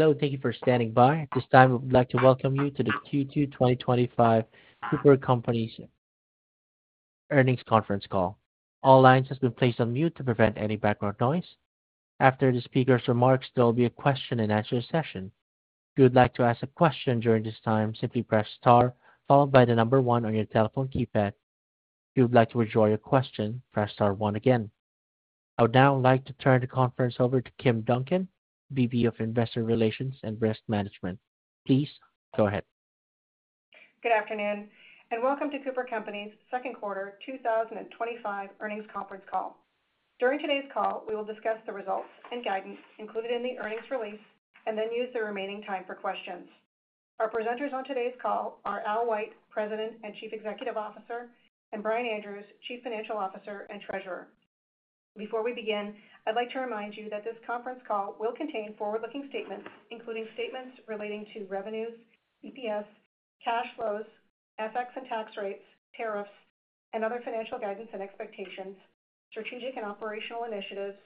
Hello, thank you for standing by. At this time, we would like to welcome you to the Q2 2025 Cooper Companies earnings conference call. All lines have been placed on mute to prevent any background noise. After the speaker's remarks, there will be a question-and-answer session. If you would like to ask a question during this time, simply press star followed by the number one on your telephone keypad. If you would like to withdraw your question, press star one again. I would now like to turn the conference over to Kim Duncan, Vice President of Investor Relations and Risk Management. Please go ahead. Good afternoon, and welcome to Cooper Companies' second quarter 2025 earnings conference call. During today's call, we will discuss the results and guidance included in the earnings release and then use the remaining time for questions. Our presenters on today's call are Al White, President and Chief Executive Officer, and Brian Andrews, Chief Financial Officer and Treasurer. Before we begin, I'd like to remind you that this conference call will contain forward-looking statements, including statements relating to revenues, EPS, cash flows, FX and tax rates, tariffs, and other financial guidance and expectations, strategic and operational initiatives,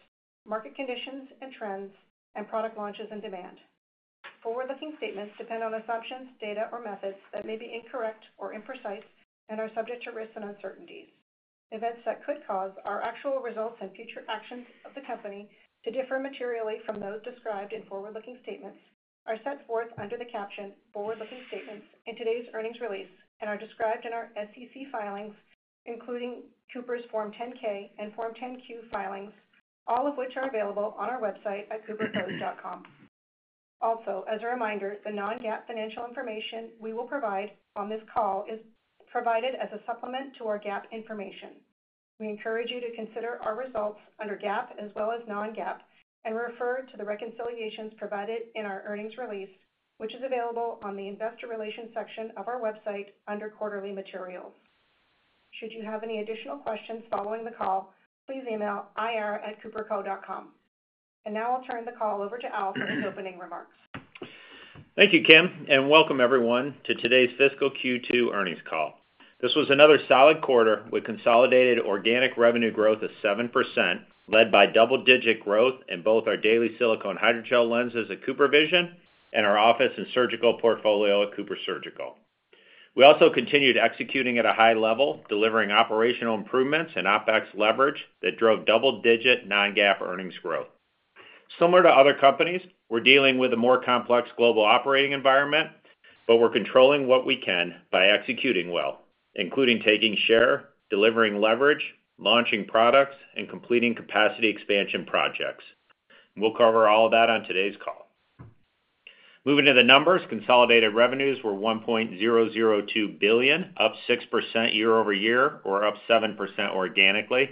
market conditions and trends, and product launches and demand. Forward-looking statements depend on assumptions, data, or methods that may be incorrect or imprecise and are subject to risks and uncertainties. Events that could cause our actual results and future actions of the company to differ materially from those described in forward-looking statements are set forth under the caption, "Forward-looking Statements," in today's earnings release and are described in our SEC filings, including Cooper's Form 10-K and Form 10-Q filings, all of which are available on our website at coopercodes.com. Also, as a reminder, the non-GAAP financial information we will provide on this call is provided as a supplement to our GAAP information. We encourage you to consider our results under GAAP as well as non-GAAP and refer to the reconciliations provided in our earnings release, which is available on the Investor Relations section of our website under Quarterly Materials. Should you have any additional questions following the call, please email ir@coopercode.com. Now I'll turn the call over to Al for his opening remarks. Thank you, Kim, and welcome everyone to today's fiscal Q2 earnings call. This was another solid quarter with consolidated organic revenue growth of 7%, led by double-digit growth in both our daily silicone hydrogel lenses at Cooper Vision and our office and surgical portfolio at Cooper Surgical. We also continued executing at a high level, delivering operational improvements and OpEx leverage that drove double-digit non-GAAP earnings growth. Similar to other companies, we're dealing with a more complex global operating environment, but we're controlling what we can by executing well, including taking share, delivering leverage, launching products, and completing capacity expansion projects. We'll cover all of that on today's call. Moving to the numbers, consolidated revenues were $1.002 billion, up 6% year-over-year or up 7% organically.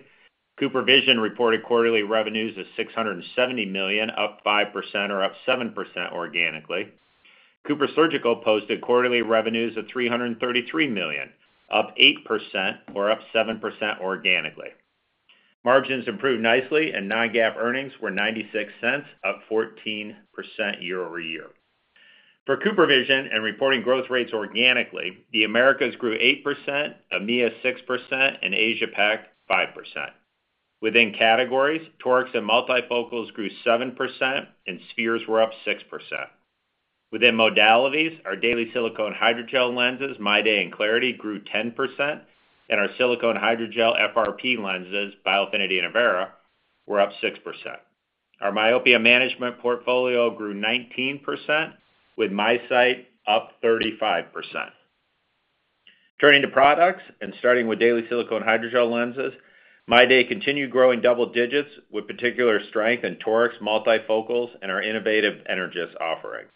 Cooper Vision reported quarterly revenues of $670 million, up 5% or up 7% organically. Cooper Surgical posted quarterly revenues of $333 million, up 8% or up 7% organically. Margins improved nicely, and non-GAAP earnings were $0.96, up 14% year-over-year. For Cooper Vision and reporting growth rates organically, the Americas grew 8%, EMEA 6%, and Asia-Pac 5%. Within categories, torics and multifocals grew 7%, and spheres were up 6%. Within modalities, our daily silicone hydrogel lenses, MyDay and Clarity, grew 10%, and our silicone hydrogel FRP lenses, Biofinity and Avera, were up 6%. Our myopia management portfolio grew 19%, with MySight up 35%. Turning to products and starting with daily silicone hydrogel lenses, MyDay continued growing double digits with particular strength in torics, multifocals, and our innovative EnerGys offering.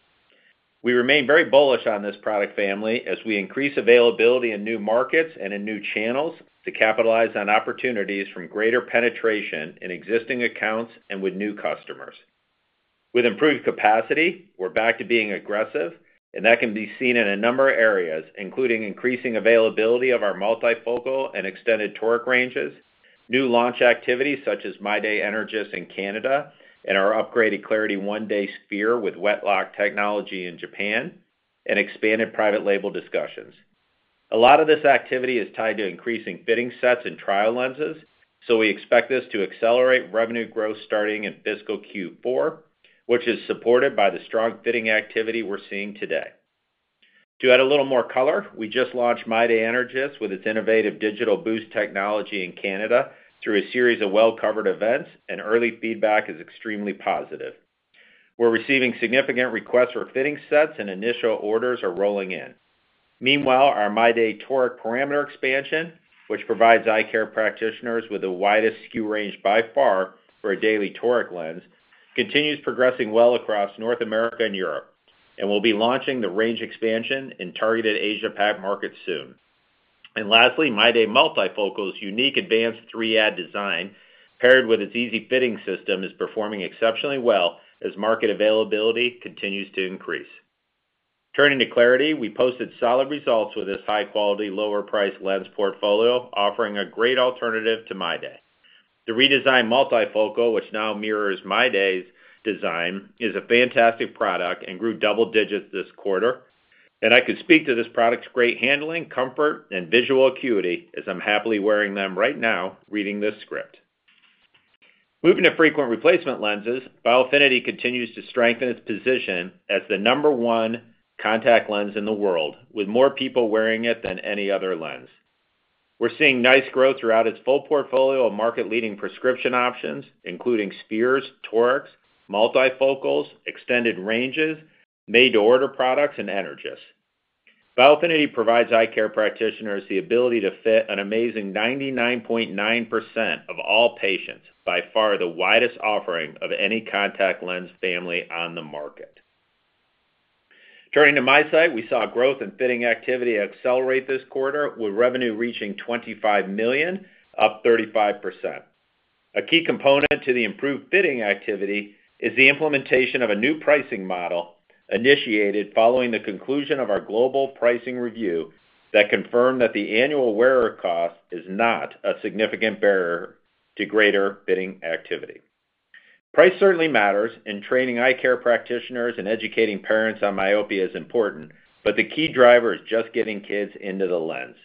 We remain very bullish on this product family as we increase availability in new markets and in new channels to capitalize on opportunities from greater penetration in existing accounts and with new customers. With improved capacity, we're back to being aggressive, and that can be seen in a number of areas, including increasing availability of our multifocal and extended toric ranges, new launch activities such as MyDay EnerGys in Canada, and our upgraded Clarity One Day sphere with Wetlock technology in Japan, and expanded private label discussions. A lot of this activity is tied to increasing fitting sets and trial lenses, so we expect this to accelerate revenue growth starting in fiscal Q4, which is supported by the strong fitting activity we're seeing today. To add a little more color, we just launched MyDay EnerGys with its innovative digital boost technology in Canada through a series of well-covered events, and early feedback is extremely positive. We're receiving significant requests for fitting sets, and initial orders are rolling in. Meanwhile, our MyDay toric parameter expansion, which provides eye care practitioners with the widest skew range by far for a daily toric lens, continues progressing well across North America and Europe, and we will be launching the range expansion in targeted Asia-Pac markets soon. Lastly, MyDay multifocal's unique advanced 3AD design, paired with its easy fitting system, is performing exceptionally well as market availability continues to increase. Turning to Clarity, we posted solid results with this high-quality, lower-priced lens portfolio, offering a great alternative to MyDay. The redesigned multifocal, which now mirrors MyDay's design, is a fantastic product and grew double digits this quarter, and I could speak to this product's great handling, comfort, and visual acuity as I'm happily wearing them right now reading this script. Moving to frequent replacement lenses, Biofinity continues to strengthen its position as the number one contact lens in the world, with more people wearing it than any other lens. We're seeing nice growth throughout its full portfolio of market-leading prescription options, including spheres, torics, multifocals, extended ranges, made-to-order products, and EnerGys. Biofinity provides eye care practitioners the ability to fit an amazing 99.9% of all patients, by far the widest offering of any contact lens family on the market. Turning to MySight, we saw growth in fitting activity accelerate this quarter, with revenue reaching $25 million, up 35%. A key component to the improved fitting activity is the implementation of a new pricing model initiated following the conclusion of our global pricing review that confirmed that the annual wearer cost is not a significant barrier to greater fitting activity. Price certainly matters, and training eye care practitioners and educating parents on myopia is important, but the key driver is just getting kids into the lens.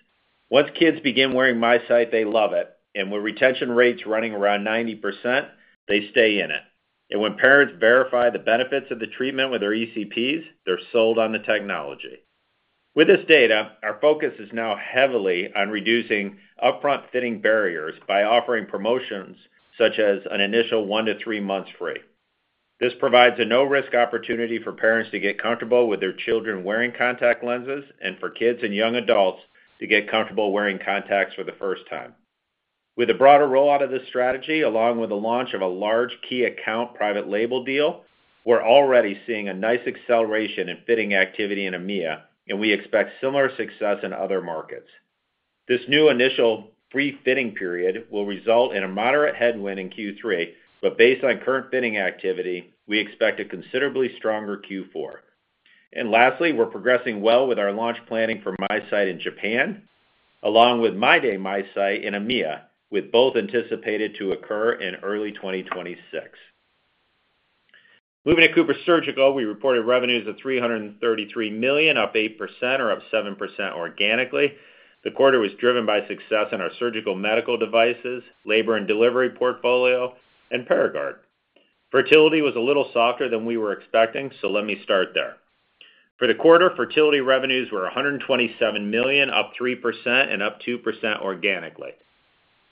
Once kids begin wearing MySight, they love it, and with retention rates running around 90%, they stay in it. When parents verify the benefits of the treatment with their ECPs, they're sold on the technology. With this data, our focus is now heavily on reducing upfront fitting barriers by offering promotions such as an initial one to three months free. This provides a no-risk opportunity for parents to get comfortable with their children wearing contact lenses and for kids and young adults to get comfortable wearing contacts for the first time. With a broader rollout of this strategy, along with the launch of a large key account private label deal, we're already seeing a nice acceleration in fitting activity in EMEA, and we expect similar success in other markets. This new initial free fitting period will result in a moderate headwind in Q3, but based on current fitting activity, we expect a considerably stronger Q4. Lastly, we're progressing well with our launch planning for MySight in Japan, along with MyDay MySight in EMEA, with both anticipated to occur in early 2026. Moving to Cooper Surgical, we reported revenues of $333 million, up 8% or up 7% organically. The quarter was driven by success in our surgical medical devices, labor and delivery portfolio, and Paragard. Fertility was a little softer than we were expecting, so let me start there. For the quarter, fertility revenues were $127 million, up 3%, and up 2% organically.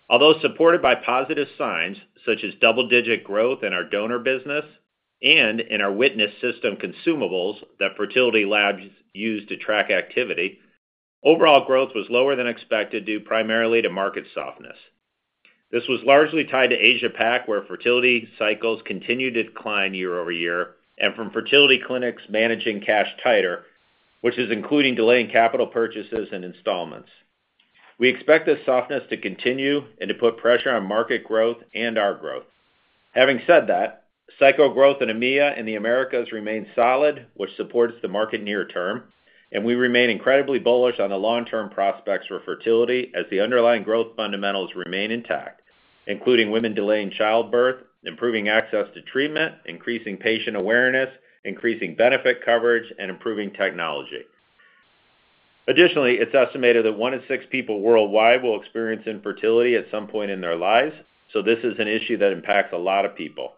Although supported by positive signs such as double-digit growth in our donor business and in our Witness System consumables that fertility labs use to track activity, overall growth was lower than expected due primarily to market softness. This was largely tied to Asia-Pac, where fertility cycles continued to decline year-over-year and from fertility clinics managing cash tighter, which is including delaying capital purchases and installments. We expect this softness to continue and to put pressure on market growth and our growth. Having said that, cycle growth in EMEA and the Americas remained solid, which supports the market near-term, and we remain incredibly bullish on the long-term prospects for fertility as the underlying growth fundamentals remain intact, including women delaying childbirth, improving access to treatment, increasing patient awareness, increasing benefit coverage, and improving technology. Additionally, it's estimated that one in six people worldwide will experience infertility at some point in their lives, so this is an issue that impacts a lot of people.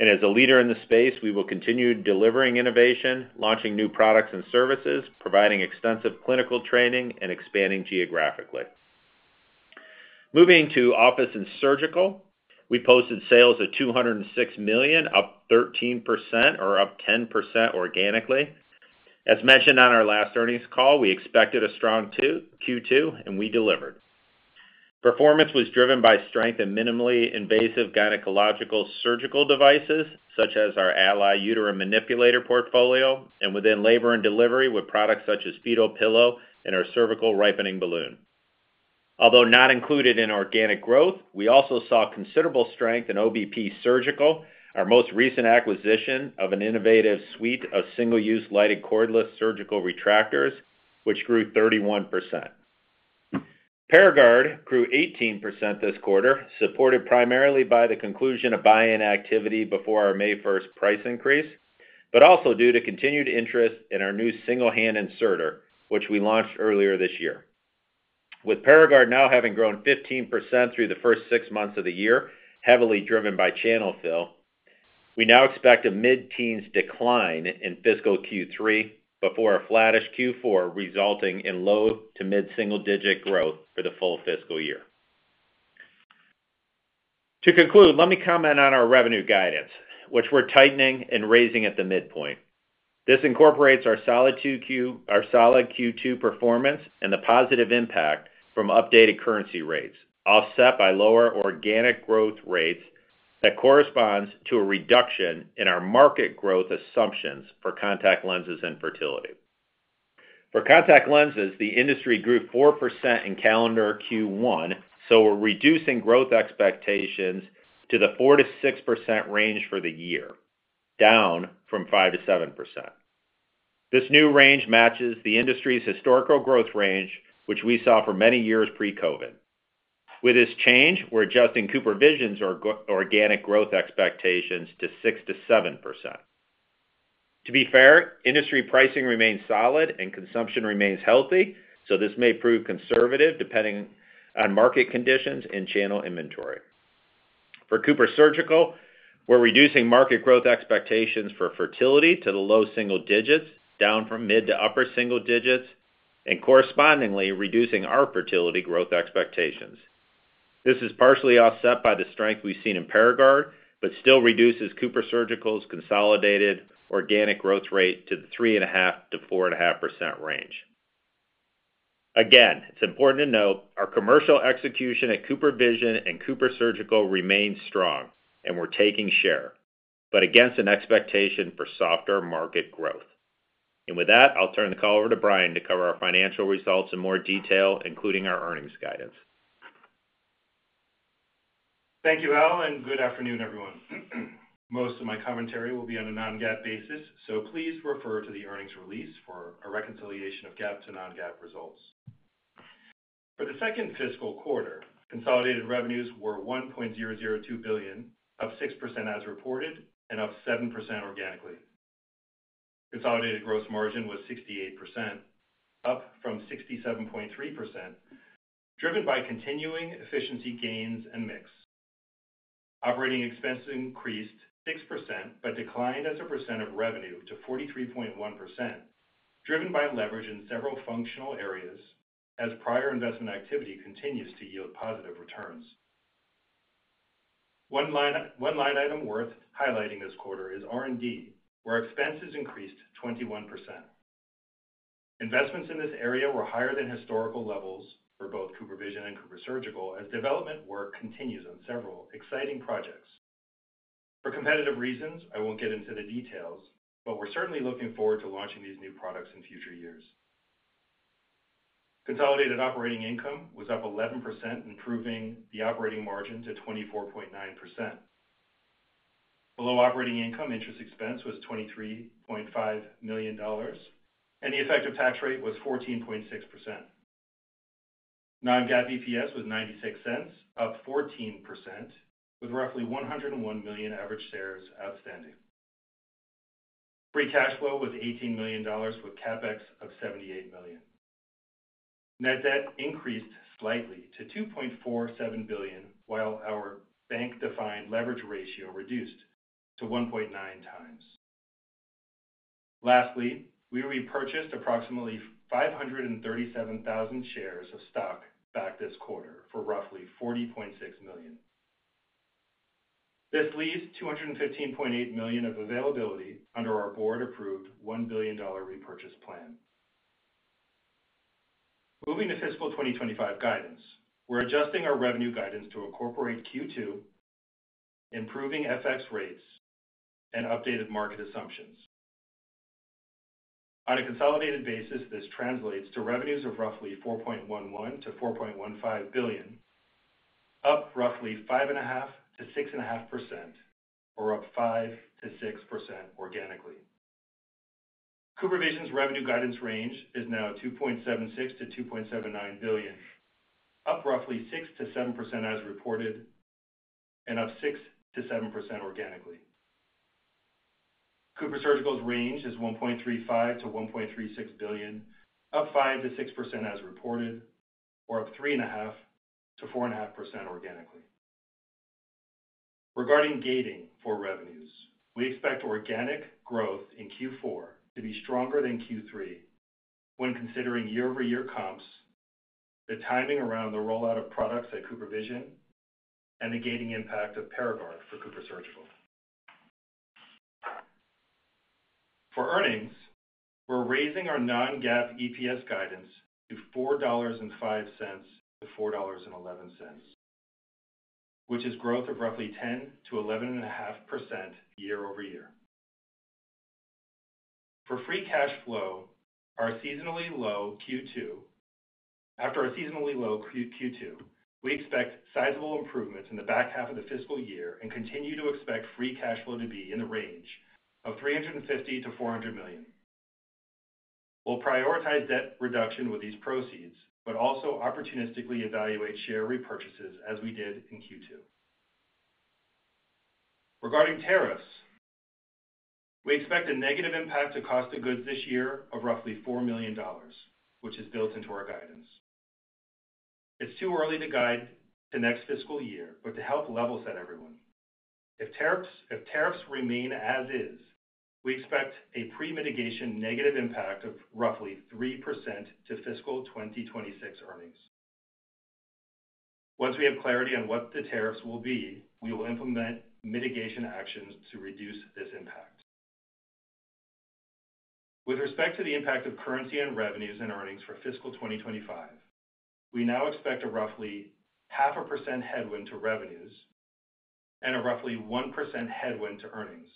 As a leader in the space, we will continue delivering innovation, launching new products and services, providing extensive clinical training, and expanding geographically. Moving to office and surgical, we posted sales of $206 million, up 13% or up 10% organically. As mentioned on our last earnings call, we expected a strong Q2, and we delivered. Performance was driven by strength in minimally invasive gynecological surgical devices such as our Alli Uterine Manipulator portfolio and within labor and delivery with products such as Fetal Pillow and our Cervical Ripening Balloon. Although not included in organic growth, we also saw considerable strength in OBP Surgical, our most recent acquisition of an innovative suite of single-use lighted cordless surgical retractors, which grew 31%. Paragard grew 18% this quarter, supported primarily by the conclusion of buy-in activity before our May 1 price increase, but also due to continued interest in our new single-hand inserter, which we launched earlier this year. With Paragard now having grown 15% through the first six months of the year, heavily driven by channel fill, we now expect a mid-teens decline in fiscal Q3 before a flattish Q4 resulting in low to mid-single-digit growth for the full fiscal year. To conclude, let me comment on our revenue guidance, which we're tightening and raising at the midpoint. This incorporates our solid Q2 performance and the positive impact from updated currency rates, offset by lower organic growth rates that corresponds to a reduction in our market growth assumptions for contact lenses and fertility. For contact lenses, the industry grew 4% in calendar Q1, so we're reducing growth expectations to the 4%-6% range for the year, down from 5%-7%. This new range matches the industry's historical growth range, which we saw for many years pre-COVID. With this change, we're adjusting Cooper Vision's organic growth expectations to 6%-7%. To be fair, industry pricing remains solid and consumption remains healthy, so this may prove conservative depending on market conditions and channel inventory. For Cooper Surgical, we're reducing market growth expectations for fertility to the low single digits, down from mid to upper single digits, and correspondingly reducing our fertility growth expectations. This is partially offset by the strength we've seen in Paragard, but still reduces Cooper Surgical's consolidated organic growth rate to the 3.5%-4.5% range. Again, it's important to note our commercial execution at Cooper Vision and Cooper Surgical remains strong, and we're taking share, but against an expectation for softer market growth. With that, I'll turn the call over to Brian to cover our financial results in more detail, including our earnings guidance. Thank you, Al, and good afternoon, everyone. Most of my commentary will be on a non-GAAP basis, so please refer to the earnings release for a reconciliation of GAAP to non-GAAP results. For the second fiscal quarter, consolidated revenues were $1.002 billion, up 6% as reported and up 7% organically. Consolidated gross margin was 68%, up from 67.3%, driven by continuing efficiency gains and mix. Operating expenses increased 6% but declined as a percent of revenue to 43.1%, driven by leverage in several functional areas as prior investment activity continues to yield positive returns. One line item worth highlighting this quarter is R&D, where expenses increased 21%. Investments in this area were higher than historical levels for both Cooper Vision and Cooper Surgical as development work continues on several exciting projects. For competitive reasons, I won't get into the details, but we're certainly looking forward to launching these new products in future years. Consolidated operating income was up 11%, improving the operating margin to 24.9%. Below operating income, interest expense was $23.5 million, and the effective tax rate was 14.6%. Non-GAAP EPS was $0.96, up 14%, with roughly $101 million average shares outstanding. Free cash flow was $18 million with CapEx of $78 million. Net debt increased slightly to $2.47 billion, while our bank-defined leverage ratio reduced to 1.9 times. Lastly, we repurchased approximately 537,000 shares of stock back this quarter for roughly $40.6 million. This leaves $215.8 million of availability under our board-approved $1 billion repurchase plan. Moving to fiscal 2025 guidance, we're adjusting our revenue guidance to incorporate Q2, improving FX rates, and updated market assumptions. On a consolidated basis, this translates to revenues of roughly $4.11 billion-$4.15 billion, up roughly 5.5%-6.5%, or up 5%-6% organically. Cooper Vision's revenue guidance range is now $2.76 billion-$2.79 billion, up roughly 6%-7% as reported and up 6%-7% organically. Cooper Surgical's range is $1.35 billion-$1.36 billion, up 5%-6% as reported, or up 3.5%-4.5% organically. Regarding gating for revenues, we expect organic growth in Q4 to be stronger than Q3 when considering year-over-year comps, the timing around the rollout of products at CooperVision, and the gating impact of Paragard for CooperSurgical. For earnings, we're raising our non-GAAP EPS guidance to $4.05-$4.11, which is growth of roughly 10%-11.5% year-over-year. For free cash flow, after our seasonally low Q2, we expect sizable improvements in the back half of the fiscal year and continue to expect free cash flow to be in the range of $350 million-$400 million. We'll prioritize debt reduction with these proceeds, but also opportunistically evaluate share repurchases as we did in Q2. Regarding tariffs, we expect a negative impact to cost of goods this year of roughly $4 million, which is built into our guidance. It's too early to guide the next fiscal year, but to help level set everyone. If tariffs remain as is, we expect a pre-mitigation negative impact of roughly 3% to fiscal 2026 earnings. Once we have clarity on what the tariffs will be, we will implement mitigation actions to reduce this impact. With respect to the impact of currency and revenues and earnings for fiscal 2025, we now expect a roughly 0.5% headwind to revenues and a roughly 1% headwind to earnings.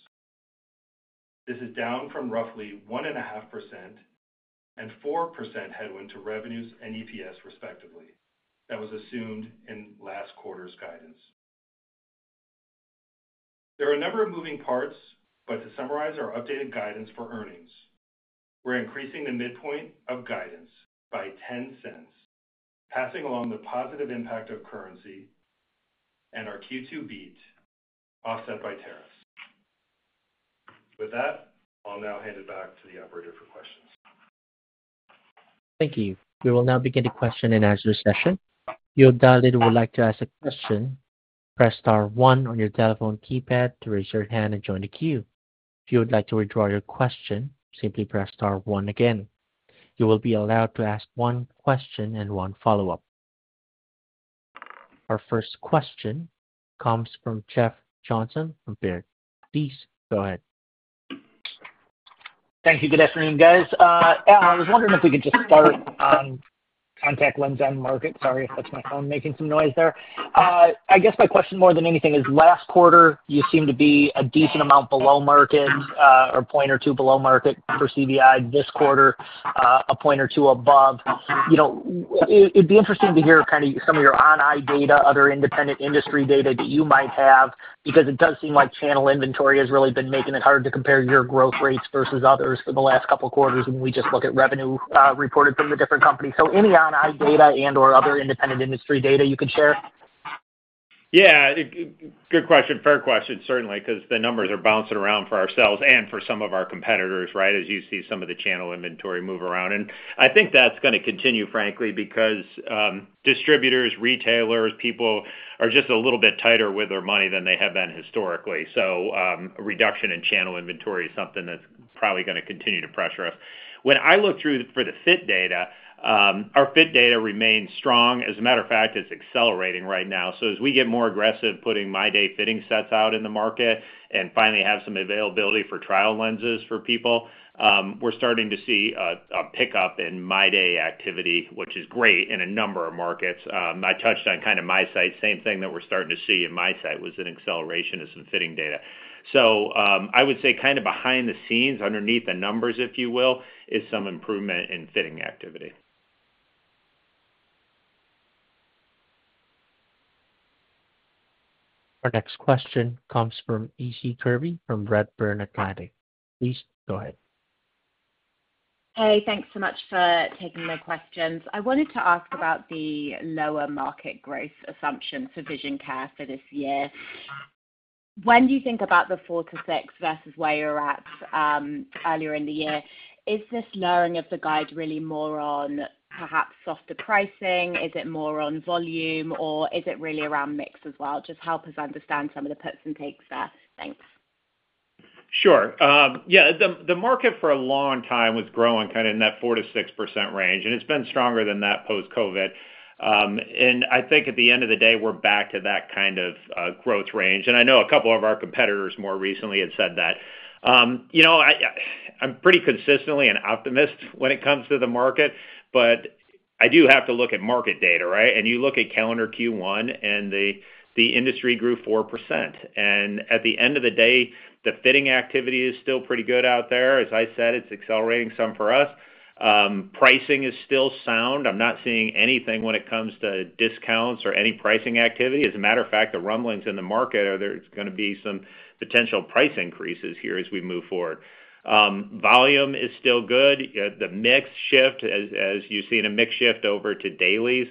This is down from roughly 1.5% and 4% headwind to revenues and EPS, respectively. That was assumed in last quarter's guidance. There are a number of moving parts, but to summarize our updated guidance for earnings, we're increasing the midpoint of guidance by 10 cents, passing along the positive impact of currency and our Q2 beat offset by tariffs. With that, I'll now hand it back to the operator for questions. Thank you. We will now begin the question and answer session. If you're dialed in and would like to ask a question, press star one on your telephone keypad to raise your hand and join the queue. If you would like to withdraw your question, simply press star one again. You will be allowed to ask one question and one follow-up. Our first question comes from Jeff Johnson from Baird. Please go ahead. Thank you. Good afternoon, guys. Al, I was wondering if we could just start on contact lens and market. Sorry if that's my phone making some noise there. I guess my question more than anything is, last quarter, you seem to be a decent amount below market, or a point or two below market for CBI. This quarter, a point or two above. It'd be interesting to hear kind of some of your on-eye data, other independent industry data that you might have, because it does seem like channel inventory has really been making it hard to compare your growth rates versus others for the last couple of quarters when we just look at revenue reported from the different companies. So any on-eye data and/or other independent industry data you could share? Yeah. Good question. Fair question, certainly, because the numbers are bouncing around for ourselves and for some of our competitors, right, as you see some of the channel inventory move around. I think that's going to continue, frankly, because distributors, retailers, people are just a little bit tighter with their money than they have been historically. A reduction in channel inventory is something that's probably going to continue to pressure us. When I look through for the fit data, our fit data remains strong. As a matter of fact, it's accelerating right now. As we get more aggressive putting MyDay fitting sets out in the market and finally have some availability for trial lenses for people, we're starting to see a pickup in MyDay activity, which is great in a number of markets. I touched on kind of MySight. Same thing that we're starting to see in MySight was an acceleration of some fitting data. I would say kind of behind the scenes, underneath the numbers, if you will, is some improvement in fitting activity. Our next question comes from EC Kirby from Redburn Atlantic. Please go ahead. Hey, thanks so much for taking the questions. I wanted to ask about the lower market growth assumption for vision care for this year. When you think about the four to six versus where you were at earlier in the year, is this lowering of the guide really more on perhaps softer pricing? Is it more on volume, or is it really around mix as well? Just help us understand some of the perks and takes there. Thanks. Sure. Yeah. The market for a long time was growing kind of in that 4%-6% range, and it has been stronger than that post-COVID. I think at the end of the day, we are back to that kind of growth range. I know a couple of our competitors more recently have said that. I am pretty consistently an optimist when it comes to the market, but I do have to look at market data, right? You look at calendar Q1, and the industry grew 4%. At the end of the day, the fitting activity is still pretty good out there. As I said, it is accelerating some for us. Pricing is still sound. I am not seeing anything when it comes to discounts or any pricing activity. As a matter of fact, the rumblings in the market are there is going to be some potential price increases here as we move forward. Volume is still good. The mix shift, as you have seen a mix shift over to dailies,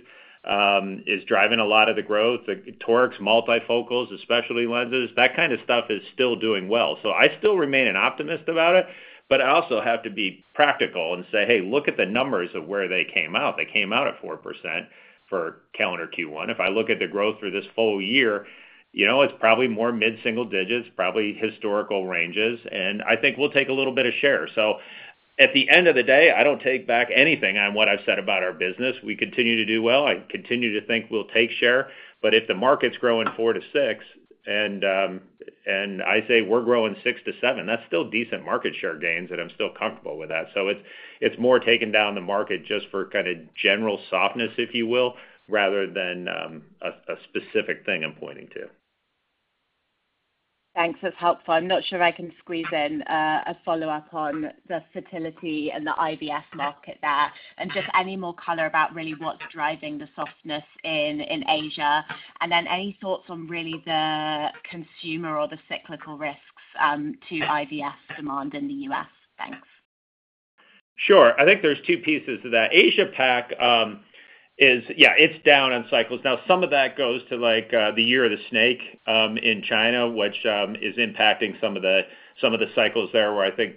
is driving a lot of the growth. The torics, multifocals, especially lenses, that kind of stuff is still doing well. I still remain an optimist about it, but I also have to be practical and say, "Hey, look at the numbers of where they came out." They came out at 4% for calendar Q1. If I look at the growth for this full year, it's probably more mid-single digits, probably historical ranges, and I think we'll take a little bit of share. At the end of the day, I don't take back anything on what I've said about our business. We continue to do well. I continue to think we'll take share. If the market's growing 4-6%, and I say we're growing 6-7%, that's still decent market share gains, and I'm still comfortable with that. It's more taking down the market just for kind of general softness, if you will, rather than a specific thing I'm pointing to. Thanks. That's helpful. I'm not sure I can squeeze in a follow-up on the fertility and the IVF market there, and just any more color about really what's driving the softness in Asia. Any thoughts on really the consumer or the cyclical risks to IVF demand in the U.S.? Thanks. Sure. I think there are two pieces to that. Asia-Pac is, yeah, it is down on cycles. Now, some of that goes to the Year of the Snake in China, which is impacting some of the cycles there where I think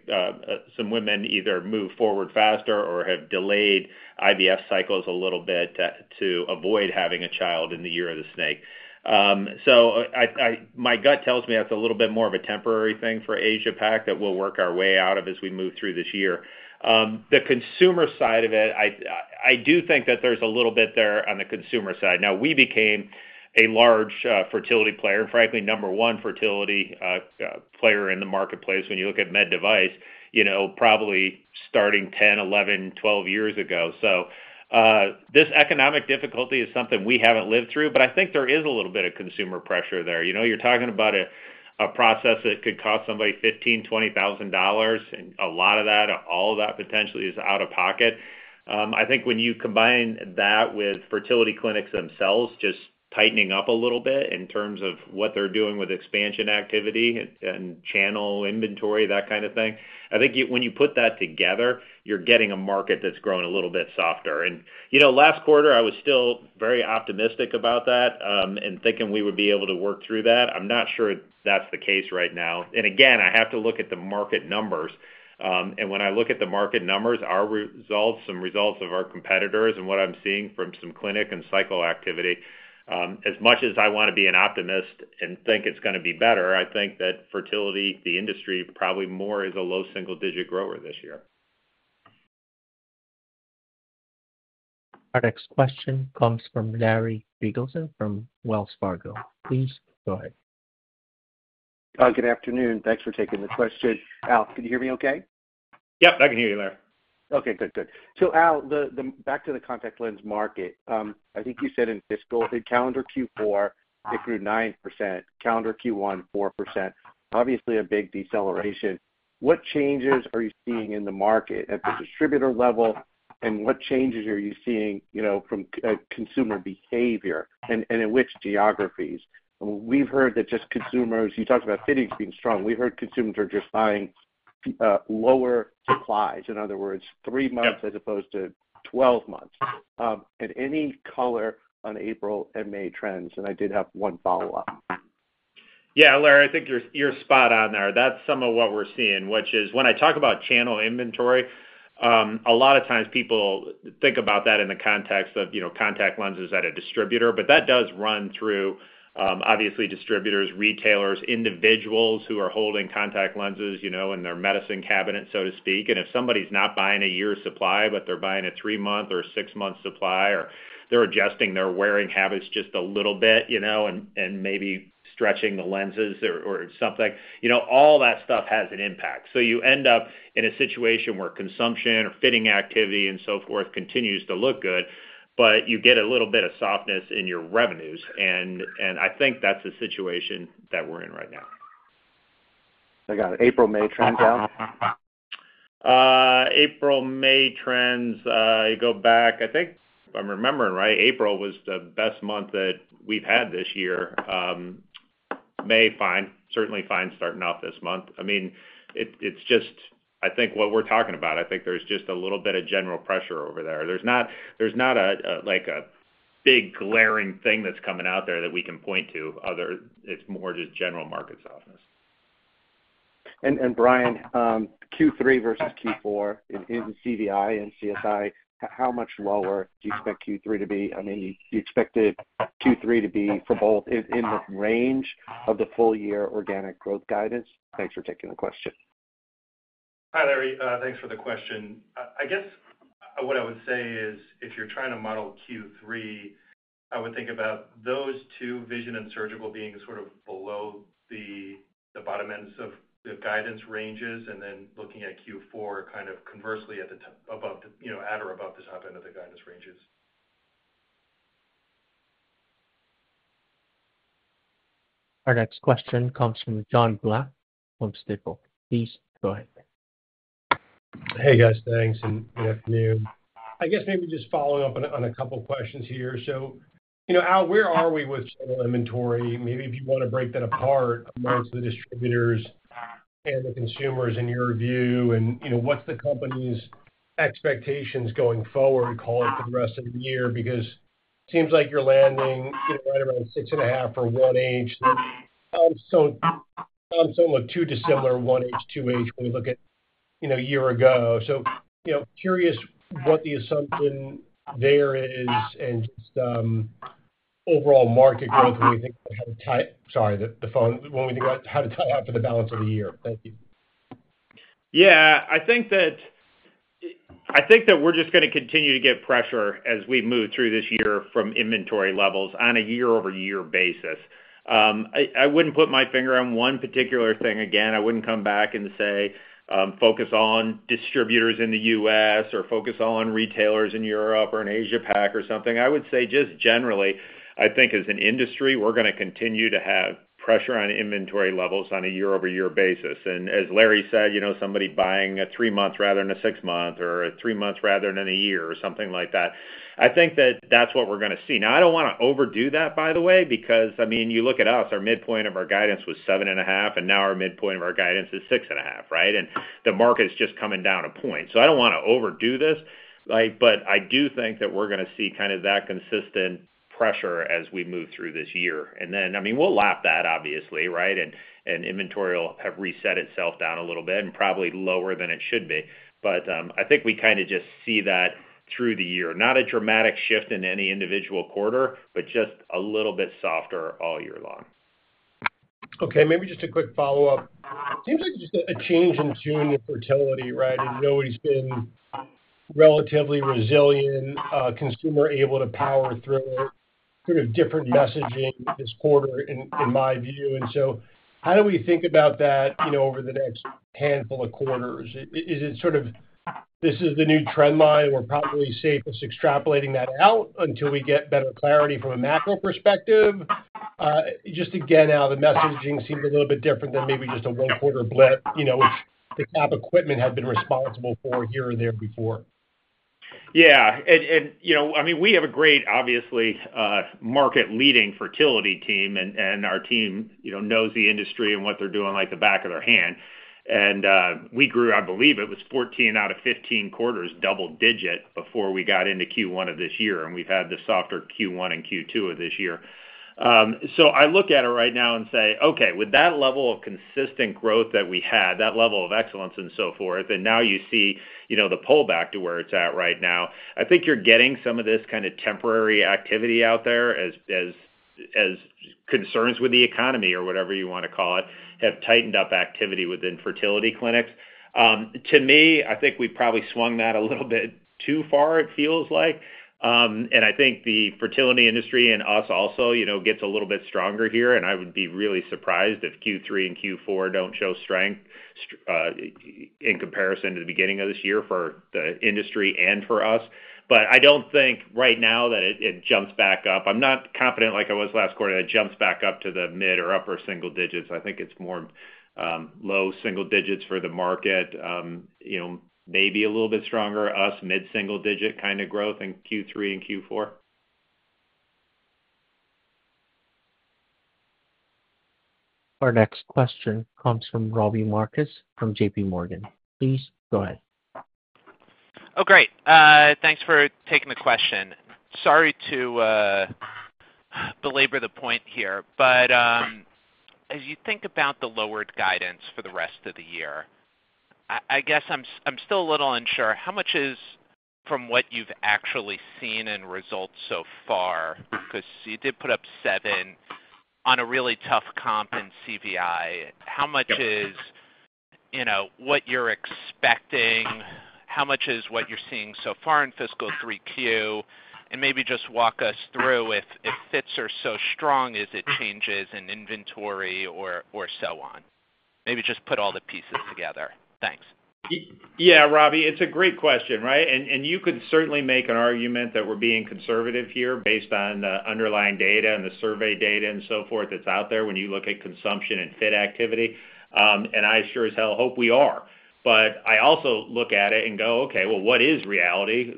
some women either move forward faster or have delayed IVF cycles a little bit to avoid having a child in the Year of the Snake. My gut tells me that is a little bit more of a temporary thing for Asia-Pac that we will work our way out of as we move through this year. The consumer side of it, I do think that there is a little bit there on the consumer side. Now, we became a large fertility player and, frankly, number one fertility player in the marketplace when you look at med device, probably starting 10, 11, 12 years ago. This economic difficulty is something we haven't lived through, but I think there is a little bit of consumer pressure there. You're talking about a process that could cost somebody $15,000-$20,000, and a lot of that, all of that potentially is out of pocket. I think when you combine that with fertility clinics themselves just tightening up a little bit in terms of what they're doing with expansion activity and channel inventory, that kind of thing, I think when you put that together, you're getting a market that's growing a little bit softer. Last quarter, I was still very optimistic about that and thinking we would be able to work through that. I'm not sure that's the case right now. Again, I have to look at the market numbers. When I look at the market numbers, some results of our competitors and what I'm seeing from some clinic and cycle activity, as much as I want to be an optimist and think it's going to be better, I think that fertility, the industry, probably more is a low single-digit grower this year. Our next question comes from Larry Regalson from Wells Fargo. Please go ahead. Good afternoon. Thanks for taking the question. Al, can you hear me okay? Yep. I can hear you, Larry. Okay. Good, good. Al, back to the contact lens market. I think you said in fiscal, in calendar Q4, it grew 9%. Calendar Q1, 4%. Obviously, a big deceleration. What changes are you seeing in the market at the distributor level, and what changes are you seeing from consumer behavior, and in which geographies? We've heard that just consumers—you talked about fittings being strong. We've heard consumers are just buying lower supplies, in other words, three months as opposed to 12 months. Any color on April and May trends? I did have one follow-up. Yeah, Larry, I think you're spot on there. That's some of what we're seeing, which is when I talk about channel inventory, a lot of times people think about that in the context of contact lenses at a distributor, but that does run through, obviously, distributors, retailers, individuals who are holding contact lenses in their medicine cabinet, so to speak. If somebody's not buying a year's supply, but they're buying a three-month or a six-month supply, or they're adjusting their wearing habits just a little bit and maybe stretching the lenses or something, all that stuff has an impact. You end up in a situation where consumption or fitting activity and so forth continues to look good, but you get a little bit of softness in your revenues. I think that's the situation that we're in right now. I got it. April, May trends, Al? April, May trends, you go back, I think. I'm remembering right? April was the best month that we've had this year. May, fine. Certainly fine starting off this month. I mean, it's just, I think what we're talking about, I think there's just a little bit of general pressure over there. There's not a big glaring thing that's coming out there that we can point to. It's more just general market softness. And Brian, Q3 versus Q4 in CVI and CSI, how much lower do you expect Q3 to be? I mean, you expected Q3 to be for both in the range of the full-year organic growth guidance? Thanks for taking the question. Hi, Larry. Thanks for the question. I guess what I would say is if you're trying to model Q3, I would think about those two, Vision and Surgical, being sort of below the bottom ends of the guidance ranges, and then looking at Q4 kind of conversely at the top, above, at or above the top end of the guidance ranges. Our next question comes from John Black from Stifel. Please go ahead. Hey, guys. Thanks. And good afternoon. I guess maybe just following up on a couple of questions here. So, Al, where are we with channel inventory? Maybe if you want to break that apart amongst the distributors and the consumers in your view, and what's the company's expectations going forward calling for the rest of the year? Because it seems like you're landing right around six and a half or one inch. So I'm somewhat too dissimilar one inch, two inch when we look at a year ago. So curious what the assumption there is and just overall market growth when we think about how to tie—sorry, the phone—when we think about how to tie up for the balance of the year. Thank you. Yeah. I think that we're just going to continue to get pressure as we move through this year from inventory levels on a year-over-year basis. I wouldn't put my finger on one particular thing again. I wouldn't come back and say, "Focus on distributors in the U.S.," or, "Focus on retailers in Europe or in Asia-Pac or something." I would say just generally, I think as an industry, we're going to continue to have pressure on inventory levels on a year-over-year basis. As Larry said, somebody buying a three-month rather than a six-month, or a three-month rather than a year, or something like that. I think that that's what we're going to see. Now, I don't want to overdo that, by the way, because, I mean, you look at us, our midpoint of our guidance was seven and a half, and now our midpoint of our guidance is six and a half, right? The market's just coming down a point. I do not want to overdo this, but I do think that we are going to see kind of that consistent pressure as we move through this year. I mean, we will lap that, obviously, right? Inventory will have reset itself down a little bit and probably lower than it should be. I think we kind of just see that through the year. Not a dramatic shift in any individual quarter, just a little bit softer all year long. Okay. Maybe just a quick follow-up. It seems like just a change in tune of fertility, right? Nobody has been relatively resilient, consumer able to power through sort of different messaging this quarter, in my view. How do we think about that over the next handful of quarters? Is it sort of, "This is the new trend line. We're probably safest extrapolating that out until we get better clarity from a macro perspective? Just again, Al, the messaging seems a little bit different than maybe just a one-quarter blip, which the cap equipment had been responsible for here or there before. Yeah. I mean, we have a great, obviously, market-leading fertility team, and our team knows the industry and what they're doing like the back of their hand. We grew, I believe it was 14 out of 15 quarters, double-digit before we got into Q1 of this year, and we've had the softer Q1 and Q2 of this year. I look at it right now and say, "Okay. With that level of consistent growth that we had, that level of excellence and so forth, and now you see the pullback to where it's at right now, I think you're getting some of this kind of temporary activity out there as concerns with the economy or whatever you want to call it have tightened up activity within fertility clinics. To me, I think we probably swung that a little bit too far, it feels like. I think the fertility industry and us also gets a little bit stronger here, and I would be really surprised if Q3 and Q4 do not show strength in comparison to the beginning of this year for the industry and for us. I do not think right now that it jumps back up. I'm not confident like I was last quarter that it jumps back up to the mid or upper single digits. I think it's more low single digits for the market, maybe a little bit stronger, us, mid-single-digit kind of growth in Q3 and Q4. Our next question comes from Robbie Marcus from JPMorgan. Please go ahead. Oh, great. Thanks for taking the question. Sorry to belabor the point here, but as you think about the lowered guidance for the rest of the year, I guess I'm still a little unsure. How much is from what you've actually seen in results so far? Because you did put up seven on a really tough comp in CVI. How much is what you're expecting? How much is what you're seeing so far in fiscal 3Q? And maybe just walk us through if fits are so strong, is it changes in inventory or so on? Maybe just put all the pieces together. Thanks. Yeah, Robbie, it's a great question, right? You could certainly make an argument that we're being conservative here based on the underlying data and the survey data and so forth that's out there when you look at consumption and fit activity. I sure as hell hope we are. I also look at it and go, "Okay. What is reality?"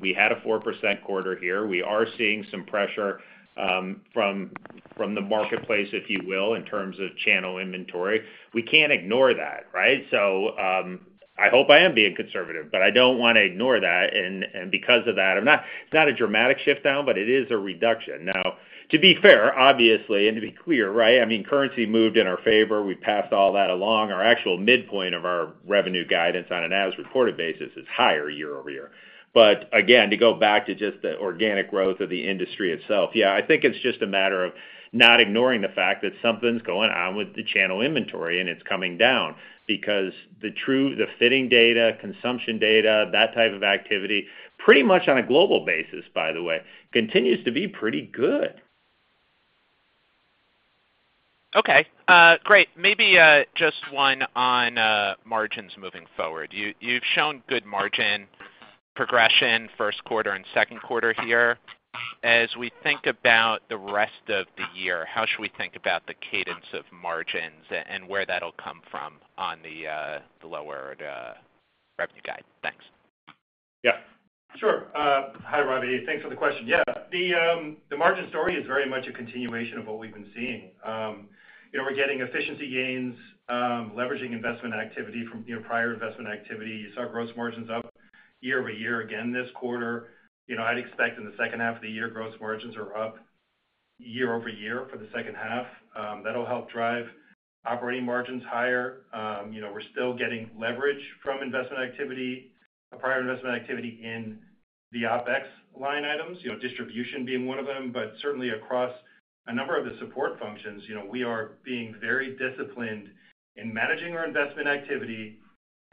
We had a 4% quarter here. We are seeing some pressure from the marketplace, if you will, in terms of channel inventory. We can't ignore that, right? I hope I am being conservative, but I don't want to ignore that. Because of that, it's not a dramatic shift down, but it is a reduction. To be fair, obviously, and to be clear, I mean, currency moved in our favor. We passed all that along. Our actual midpoint of our revenue guidance on an as-reported basis is higher year over year. Again, to go back to just the organic growth of the industry itself, yeah, I think it's just a matter of not ignoring the fact that something's going on with the channel inventory, and it's coming down because the fitting data, consumption data, that type of activity, pretty much on a global basis, by the way, continues to be pretty good. Okay. Great. Maybe just one on margins moving forward. You've shown good margin progression first quarter and second quarter here. As we think about the rest of the year, how should we think about the cadence of margins and where that'll come from on the lowered revenue guide? Thanks. Yeah. Sure. Hi, Robbie. Thanks for the question. Yeah. The margin story is very much a continuation of what we've been seeing. We're getting efficiency gains, leveraging investment activity from prior investment activity. You saw gross margins up year over year again this quarter. I'd expect in the second half of the year, gross margins are up year over year for the second half. That'll help drive operating margins higher. We're still getting leverage from investment activity, prior investment activity in the OpEx line items, distribution being one of them. Certainly across a number of the support functions, we are being very disciplined in managing our investment activity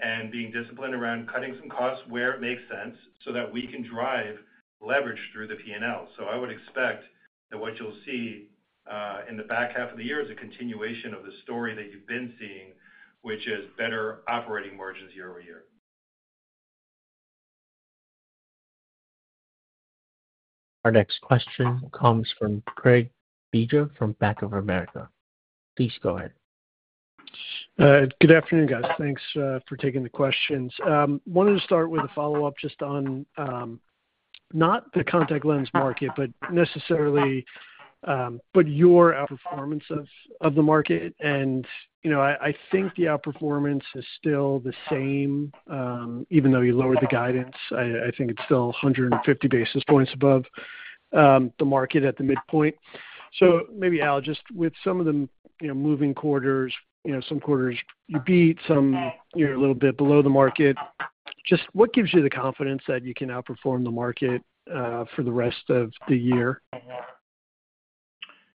and being disciplined around cutting some costs where it makes sense so that we can drive leverage through the P&L. I would expect that what you'll see in the back half of the year is a continuation of the story that you've been seeing, which is better operating margins year over year. Our next question comes from Craig Bijou from Bank of America. Please go ahead. Good afternoon, guys. Thanks for taking the questions. Wanted to start with a follow-up just on not the contact lens market, but necessarily your outperformance of the market. I think the outperformance is still the same, even though you lowered the guidance. I think it's still 150 basis points above the market at the midpoint. Maybe, Al, just with some of the moving quarters, some quarters you beat, some you're a little bit below the market. What gives you the confidence that you can outperform the market for the rest of the year?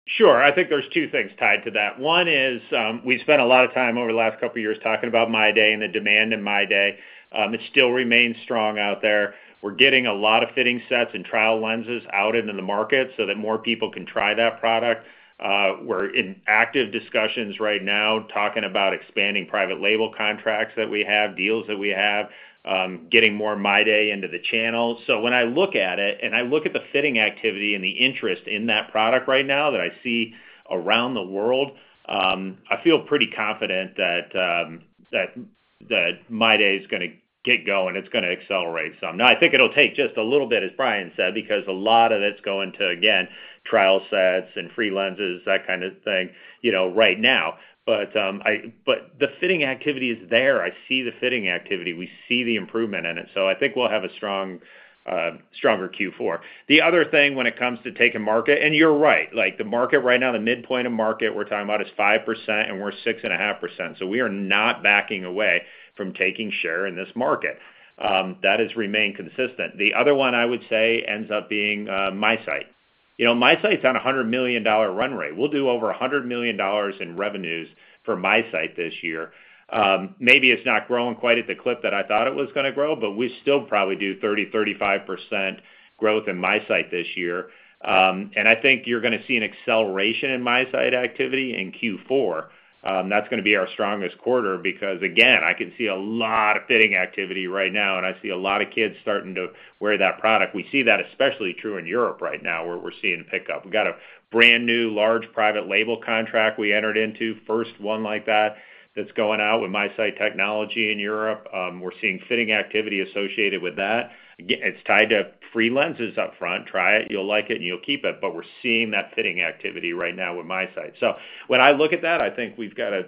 Sure. I think there's two things tied to that. One is we spent a lot of time over the last couple of years talking about MyDay and the demand in MyDay. It still remains strong out there. We're getting a lot of fitting sets and trial lenses out into the market so that more people can try that product. We're in active discussions right now talking about expanding private label contracts that we have, deals that we have, getting more MyDay into the channels. When I look at it and I look at the fitting activity and the interest in that product right now that I see around the world, I feel pretty confident that MyDay is going to get going. It's going to accelerate some. I think it'll take just a little bit, as Brian said, because a lot of it's going to, again, trial sets and free lenses, that kind of thing right now. The fitting activity is there. I see the fitting activity. We see the improvement in it. I think we'll have a stronger Q4. The other thing when it comes to taking market, and you're right, the market right now, the midpoint of market we're talking about is 5%, and we're 6.5%. So we are not backing away from taking share in this market. That has remained consistent. The other one I would say ends up being MySight. MySight's on a $100 million run rate. We'll do over $100 million in revenues for MySight this year. Maybe it's not growing quite at the clip that I thought it was going to grow, but we still probably do 30-35% growth in MySight this year. And I think you're going to see an acceleration in MySight activity in Q4. That's going to be our strongest quarter because, again, I can see a lot of fitting activity right now, and I see a lot of kids starting to wear that product. We see that especially true in Europe right now where we're seeing pickup. We've got a brand new large private label contract we entered into, first one like that that's going out with MySight technology in Europe. We're seeing fitting activity associated with that. It's tied to free lenses up front. Try it. You'll like it, and you'll keep it. We're seeing that fitting activity right now with MySight. When I look at that, I think we've got an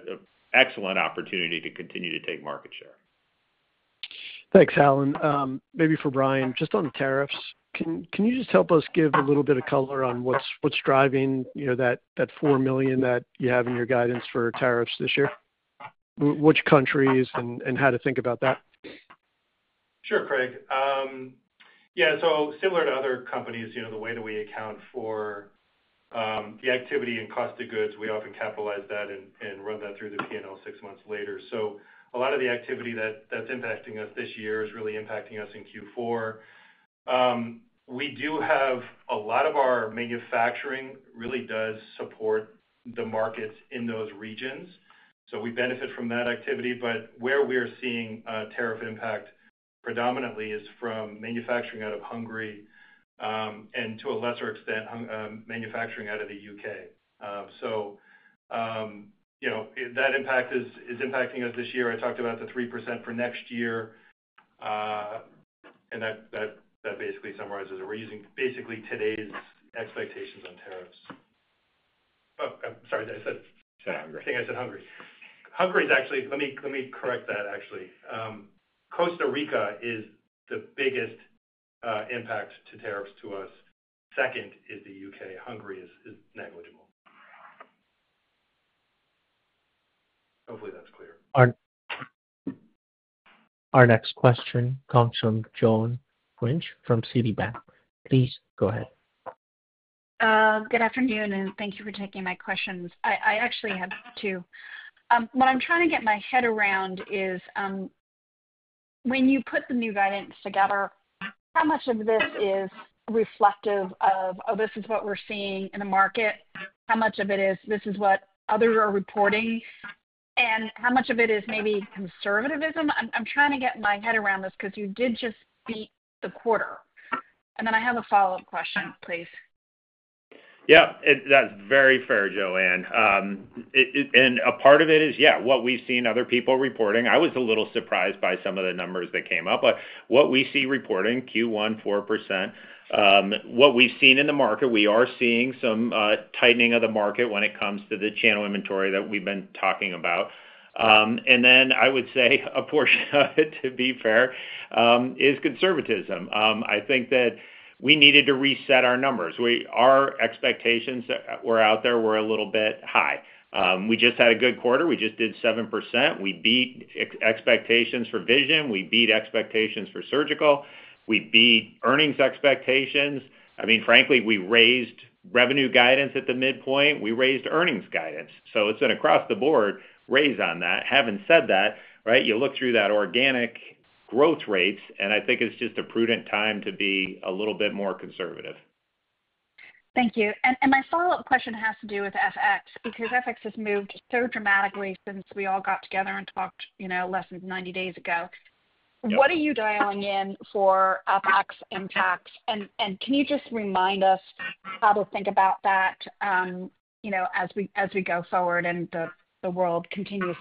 excellent opportunity to continue to take market share. Thanks, Al. Maybe for Brian, just on the tariffs, can you just help us give a little bit of color on what's driving that $4 million that you have in your guidance for tariffs this year? Which countries and how to think about that? Sure, Craig. Yeah. Similar to other companies, the way that we account for the activity and cost of goods, we often capitalize that and run that through the P&L six months later. A lot of the activity that's impacting us this year is really impacting us in Q4. We do have a lot of our manufacturing really does support the markets in those regions. We benefit from that activity. Where we are seeing tariff impact predominantly is from manufacturing out of Hungary and, to a lesser extent, manufacturing out of the U.K. That impact is impacting us this year. I talked about the 3% for next year, and that basically summarizes it. We're using basically today's expectations on tariffs. Oh, sorry. I said Hungary. I think I said Hungary. Hungary is actually—let me correct that, actually. Costa Rica is the biggest impact to tariffs to us. Second is the U.K. Hungary is negligible. Hopefully, that's clear. Our next question comes from Joanne Karen Wuensch from Citigroup Inc. Please go ahead. Good afternoon, and thank you for taking my questions. I actually have two. What I'm trying to get my head around is when you put the new guidance together, how much of this is reflective of, "Oh, this is what we're seeing in the market"? How much of it is, "This is what others are reporting," and how much of it is maybe conservatism? I'm trying to get my head around this because you did just beat the quarter. I have a follow-up question, please. Yeah. That's very fair, Joanne. A part of it is, yeah, what we've seen other people reporting. I was a little surprised by some of the numbers that came up. What we see reporting, Q1, 4%, what we've seen in the market, we are seeing some tightening of the market when it comes to the channel inventory that we've been talking about. I would say a portion of it, to be fair, is conservatism. I think that we needed to reset our numbers. Our expectations that were out there were a little bit high. We just had a good quarter. We just did 7%. We beat expectations for vision. We beat expectations for surgical. We beat earnings expectations. I mean, frankly, we raised revenue guidance at the midpoint. We raised earnings guidance. It has been across the board raise on that. Having said that, right, you look through that organic growth rates, and I think it's just a prudent time to be a little bit more conservative. Thank you. My follow-up question has to do with FX because FX has moved so dramatically since we all got together and talked less than 90 days ago. What are you dialing in for OpEx impacts? Can you just remind us how to think about that as we go forward and the world continues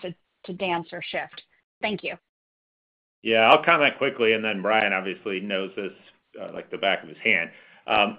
to dance or shift? Thank you. Yeah. I'll comment quickly, and then Brian obviously knows this like the back of his hand.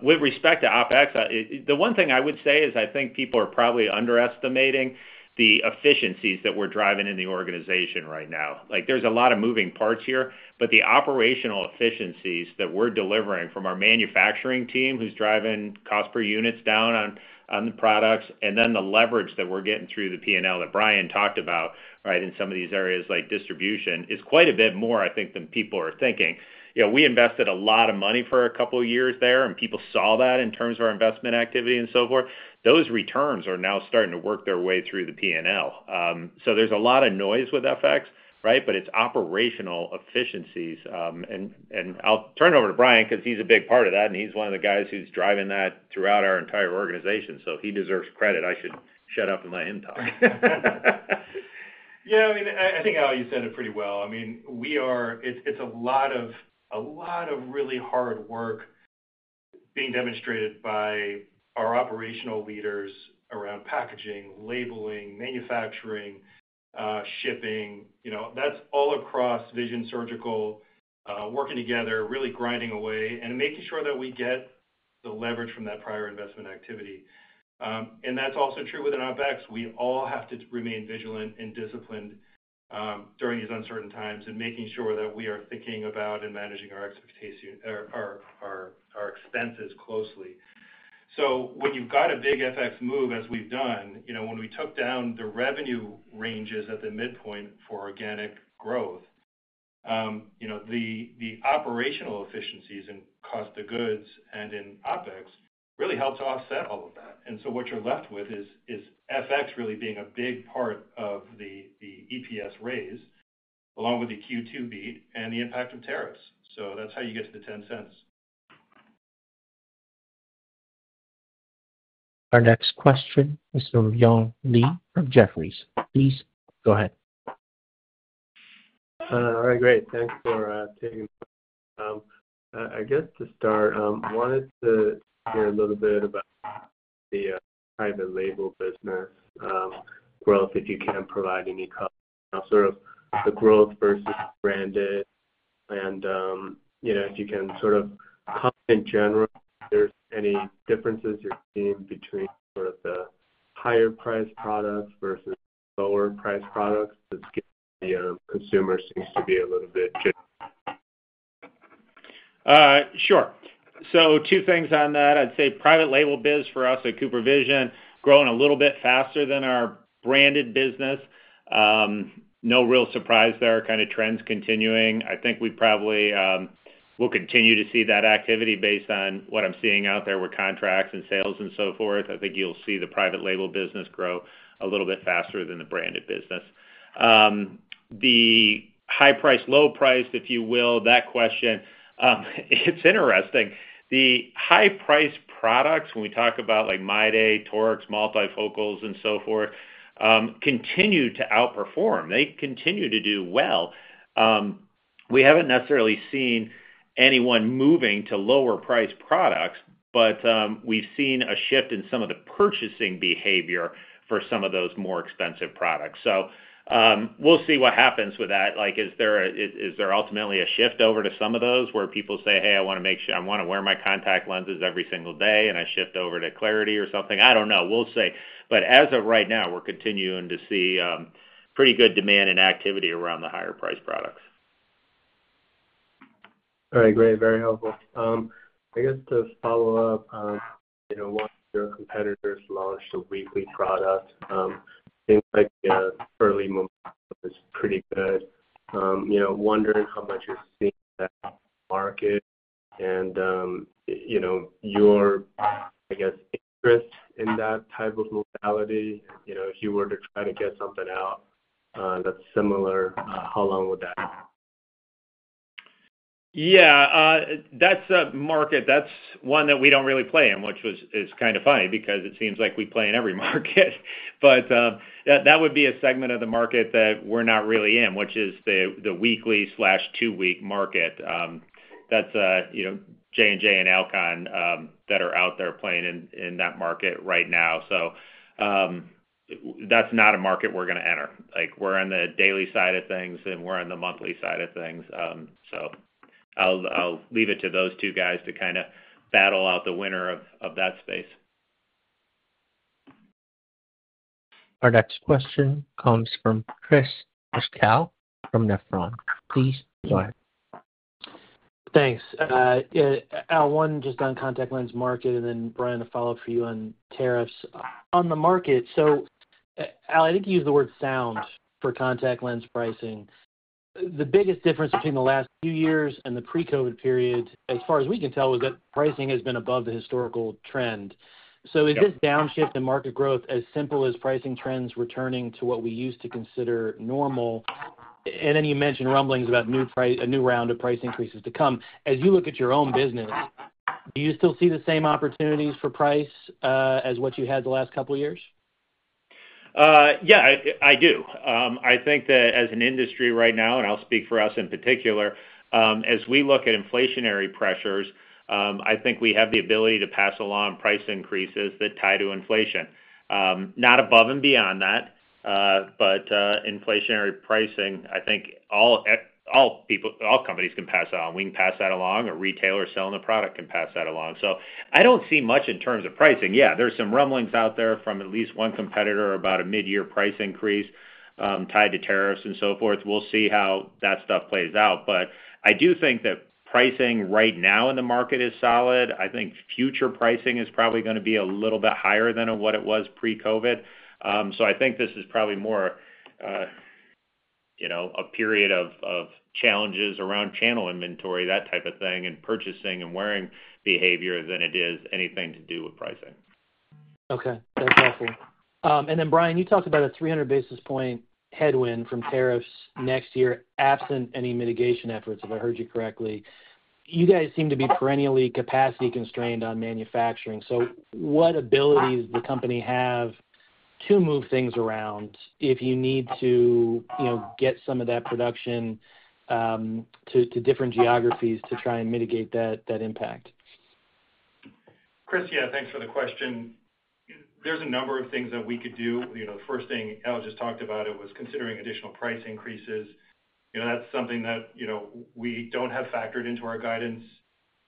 With respect to OpEx, the one thing I would say is I think people are probably underestimating the efficiencies that we're driving in the organization right now. There's a lot of moving parts here, but the operational efficiencies that we're delivering from our manufacturing team who's driving cost per units down on the products, and then the leverage that we're getting through the P&L that Brian talked about, right, in some of these areas like distribution is quite a bit more, I think, than people are thinking. We invested a lot of money for a couple of years there, and people saw that in terms of our investment activity and so forth. Those returns are now starting to work their way through the P&L. There's a lot of noise with FX, right, but it's operational efficiencies. I'll turn it over to Brian because he's a big part of that, and he's one of the guys who's driving that throughout our entire organization. He deserves credit. I should shut up and let him talk. Yeah. I mean, I think Al, you said it pretty well. I mean, it's a lot of really hard work being demonstrated by our operational leaders around packaging, labeling, manufacturing, shipping. That's all across Vision, Surgical, working together, really grinding away, and making sure that we get the leverage from that prior investment activity. That's also true within OpEx. We all have to remain vigilant and disciplined during these uncertain times and making sure that we are thinking about and managing our expenses closely. When you've got a big FX move, as we've done, when we took down the revenue ranges at the midpoint for organic growth, the operational efficiencies in cost of goods and in OpEx really helped to offset all of that. What you're left with is FX really being a big part of the EPS raise along with the Q2 beat and the impact of tariffs. That's how you get to the 10 cents. Our next question is from Yong Lee from Jefferies. Please go ahead. All right. Great. Thanks for taking the time. I guess to start, I wanted to hear a little bit about the private label business growth, if you can provide any comment on sort of the growth versus branded. And if you can sort of comment in general if there's any differences you're seeing between sort of the higher-priced products versus lower-priced products that the consumer seems to be a little bit general. Sure. Two things on that. I'd say private label biz for us at Cooper Vision growing a little bit faster than our branded business. No real surprise there. Kind of trends continuing. I think we probably will continue to see that activity based on what I'm seeing out there with contracts and sales and so forth. I think you'll see the private label business grow a little bit faster than the branded business. The high-priced, low-priced, if you will, that question, it's interesting. The high-priced products, when we talk about MyDay, torics, multifocals, and so forth, continue to outperform. They continue to do well. We haven't necessarily seen anyone moving to lower-priced products, but we've seen a shift in some of the purchasing behavior for some of those more expensive products. We'll see what happens with that. Is there ultimately a shift over to some of those where people say, "Hey, I want to make sure I want to wear my contact lenses every single day," and I shift over to Clarity or something? I don't know. We'll see. As of right now, we're continuing to see pretty good demand and activity around the higher-priced products. All right. Great. Very helpful. I guess to follow up, once your competitors launched a weekly product, things like early is pretty good. Wondering how much you're seeing that market and your, I guess, interest in that type of modality. If you were to try to get something out that's similar, how long would that be? Yeah. That's a market that's one that we don't really play in, which is kind of funny because it seems like we play in every market. That would be a segment of the market that we're not really in, which is the weekly/two-week market. That's Johnson & Johnson and Alcon that are out there playing in that market right now. That's not a market we're going to enter. We're on the daily side of things, and we're on the monthly side of things. I'll leave it to those two guys to kind of battle out the winner of that space. Our next question comes from Chris Pasquale from Nephron. Please go ahead. Thanks. Al, one just on contact lens market, and then Brian, a follow-up for you on tariffs. On the market, Al, I think you used the word sound for contact lens pricing. The biggest difference between the last few years and the pre-COVID period, as far as we can tell, was that pricing has been above the historical trend. Is this downshift in market growth as simple as pricing trends returning to what we used to consider normal? You mentioned rumblings about a new round of price increases to come. As you look at your own business, do you still see the same opportunities for price as what you had the last couple of years? Yeah, I do. I think that as an industry right now, and I'll speak for us in particular, as we look at inflationary pressures, I think we have the ability to pass along price increases that tie to inflation. Not above and beyond that, but inflationary pricing, I think all companies can pass along. We can pass that along. A retailer selling a product can pass that along. I don't see much in terms of pricing. Yeah, there's some rumblings out there from at least one competitor about a mid-year price increase tied to tariffs and so forth. We'll see how that stuff plays out. I do think that pricing right now in the market is solid. I think future pricing is probably going to be a little bit higher than what it was pre-COVID. I think this is probably more a period of challenges around channel inventory, that type of thing, and purchasing and wearing behavior than it is anything to do with pricing. Okay. That's helpful. Then, Brian, you talked about a 300 basis point headwind from tariffs next year, absent any mitigation efforts, if I heard you correctly. You guys seem to be perennially capacity constrained on manufacturing. What abilities does the company have to move things around if you need to get some of that production to different geographies to try and mitigate that impact? Chris, yeah, thanks for the question. There are a number of things that we could do. The first thing Al just talked about was considering additional price increases. That's something that we don't have factored into our guidance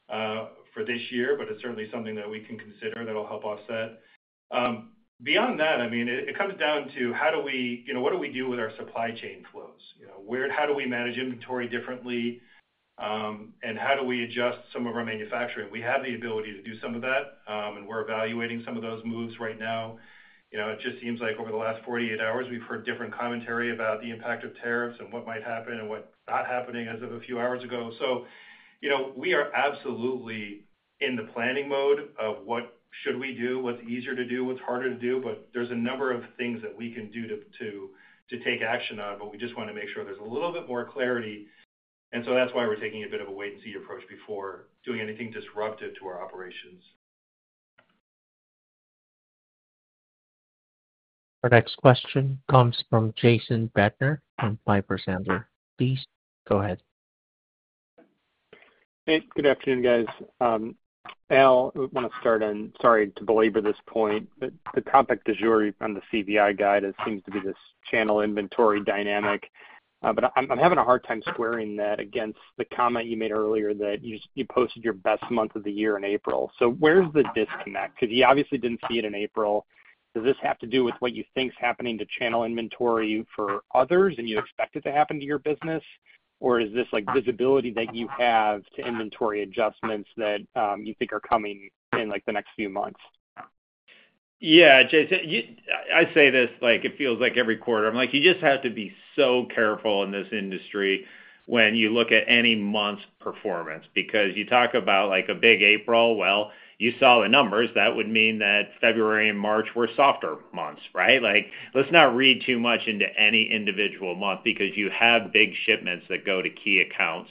for this year, but it's certainly something that we can consider that'll help offset. Beyond that, I mean, it comes down to how do we—what do we do with our supply chain flows? How do we manage inventory differently, and how do we adjust some of our manufacturing? We have the ability to do some of that, and we're evaluating some of those moves right now. It just seems like over the last 48 hours, we've heard different commentary about the impact of tariffs and what might happen and what's not happening as of a few hours ago. We are absolutely in the planning mode of what should we do, what's easier to do, what's harder to do. There are a number of things that we can do to take action on, but we just want to make sure there is a little bit more clarity. That is why we are taking a bit of a wait-and-see approach before doing anything disruptive to our operations. Our next question comes from Jason Bettner from Piper Sandler. Please go ahead. Hey, good afternoon, guys. Al, I want to start on—sorry to belabor this point. The topic de jure on the CVI guide seems to be this channel inventory dynamic. I am having a hard time squaring that against the comment you made earlier that you posted your best month of the year in April. Where is the disconnect? Because you obviously did not see it in April. Does this have to do with what you think is happening to channel inventory for others, and you expect it to happen to your business? Or is this visibility that you have to inventory adjustments that you think are coming in the next few months? Yeah. Jason, I say this like it feels like every quarter. I'm like, you just have to be so careful in this industry when you look at any month's performance because you talk about a big April. You saw the numbers. That would mean that February and March were softer months, right? Let's not read too much into any individual month because you have big shipments that go to key accounts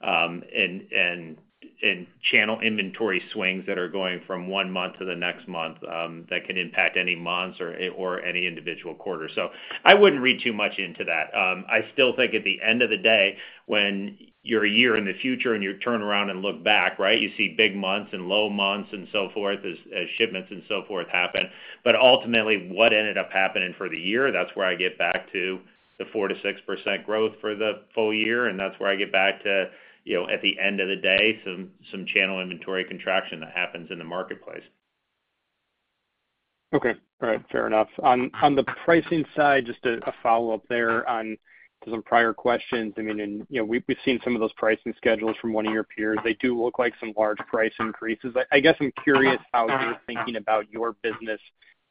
and channel inventory swings that are going from one month to the next month that can impact any months or any individual quarter. I wouldn't read too much into that. I still think at the end of the day, when you're a year in the future and you turn around and look back, right, you see big months and low months and so forth as shipments and so forth happen. Ultimately, what ended up happening for the year, that's where I get back to the 4-6% growth for the full year. That's where I get back to, at the end of the day, some channel inventory contraction that happens in the marketplace. Okay. All right. Fair enough. On the pricing side, just a follow-up there on some prior questions. I mean, we've seen some of those pricing schedules from one of your peers. They do look like some large price increases. I guess I'm curious how you're thinking about your business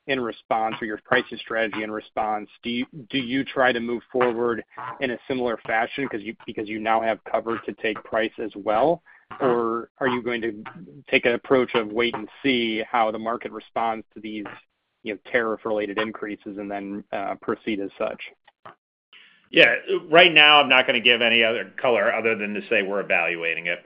in response or your pricing strategy in response. Do you try to move forward in a similar fashion because you now have cover to take price as well, or are you going to take an approach of wait and see how the market responds to these tariff-related increases and then proceed as such? Yeah. Right now, I'm not going to give any other color other than to say we're evaluating it.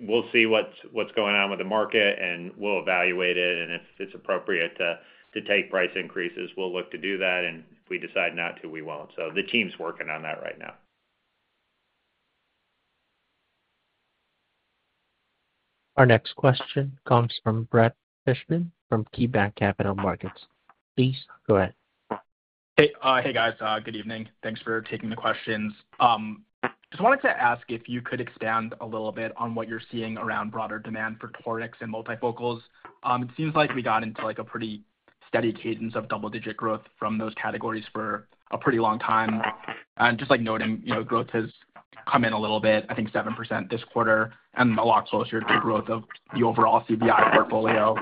We'll see what's going on with the market, and we'll evaluate it. If it's appropriate to take price increases, we'll look to do that. If we decide not to, we won't. The team's working on that right now. Our next question comes from Brett Adam Fishbin from KeyBanc Capital Markets. Please go ahead. Hey, guys. Good evening. Thanks for taking the questions. Just wanted to ask if you could expand a little bit on what you're seeing around broader demand for torics and multifocals. It seems like we got into a pretty steady cadence of double-digit growth from those categories for a pretty long time. Just noting, growth has come in a little bit, I think 7% this quarter, and a lot closer to growth of the overall CVI portfolio.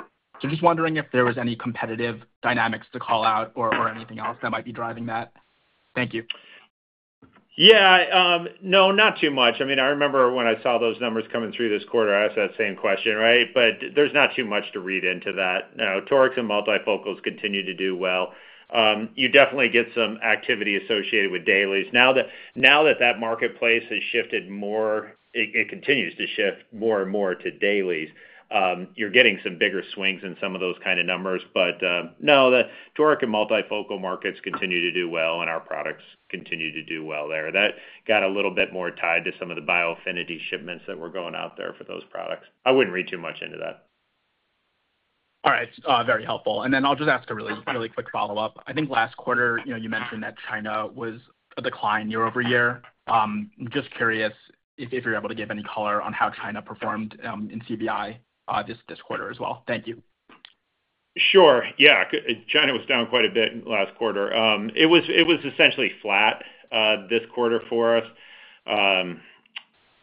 Just wondering if there was any competitive dynamics to call out or anything else that might be driving that. Thank you. Yeah. No, not too much. I mean, I remember when I saw those numbers coming through this quarter, I asked that same question, right? There is not too much to read into that. Now, torics and multifocals continue to do well. You definitely get some activity associated with dailies. Now that that marketplace has shifted more, it continues to shift more and more to dailies. You are getting some bigger swings in some of those kind of numbers. No, the torics and multifocal markets continue to do well, and our products continue to do well there. That got a little bit more tied to some of the Biofinity shipments that were going out there for those products. I would not read too much into that. All right. Very helpful. I'll just ask a really quick follow-up. I think last quarter, you mentioned that China was a decline year over year. I'm just curious if you're able to give any color on how China performed in CVI this quarter as well. Thank you. Sure. Yeah. China was down quite a bit last quarter. It was essentially flat this quarter for us.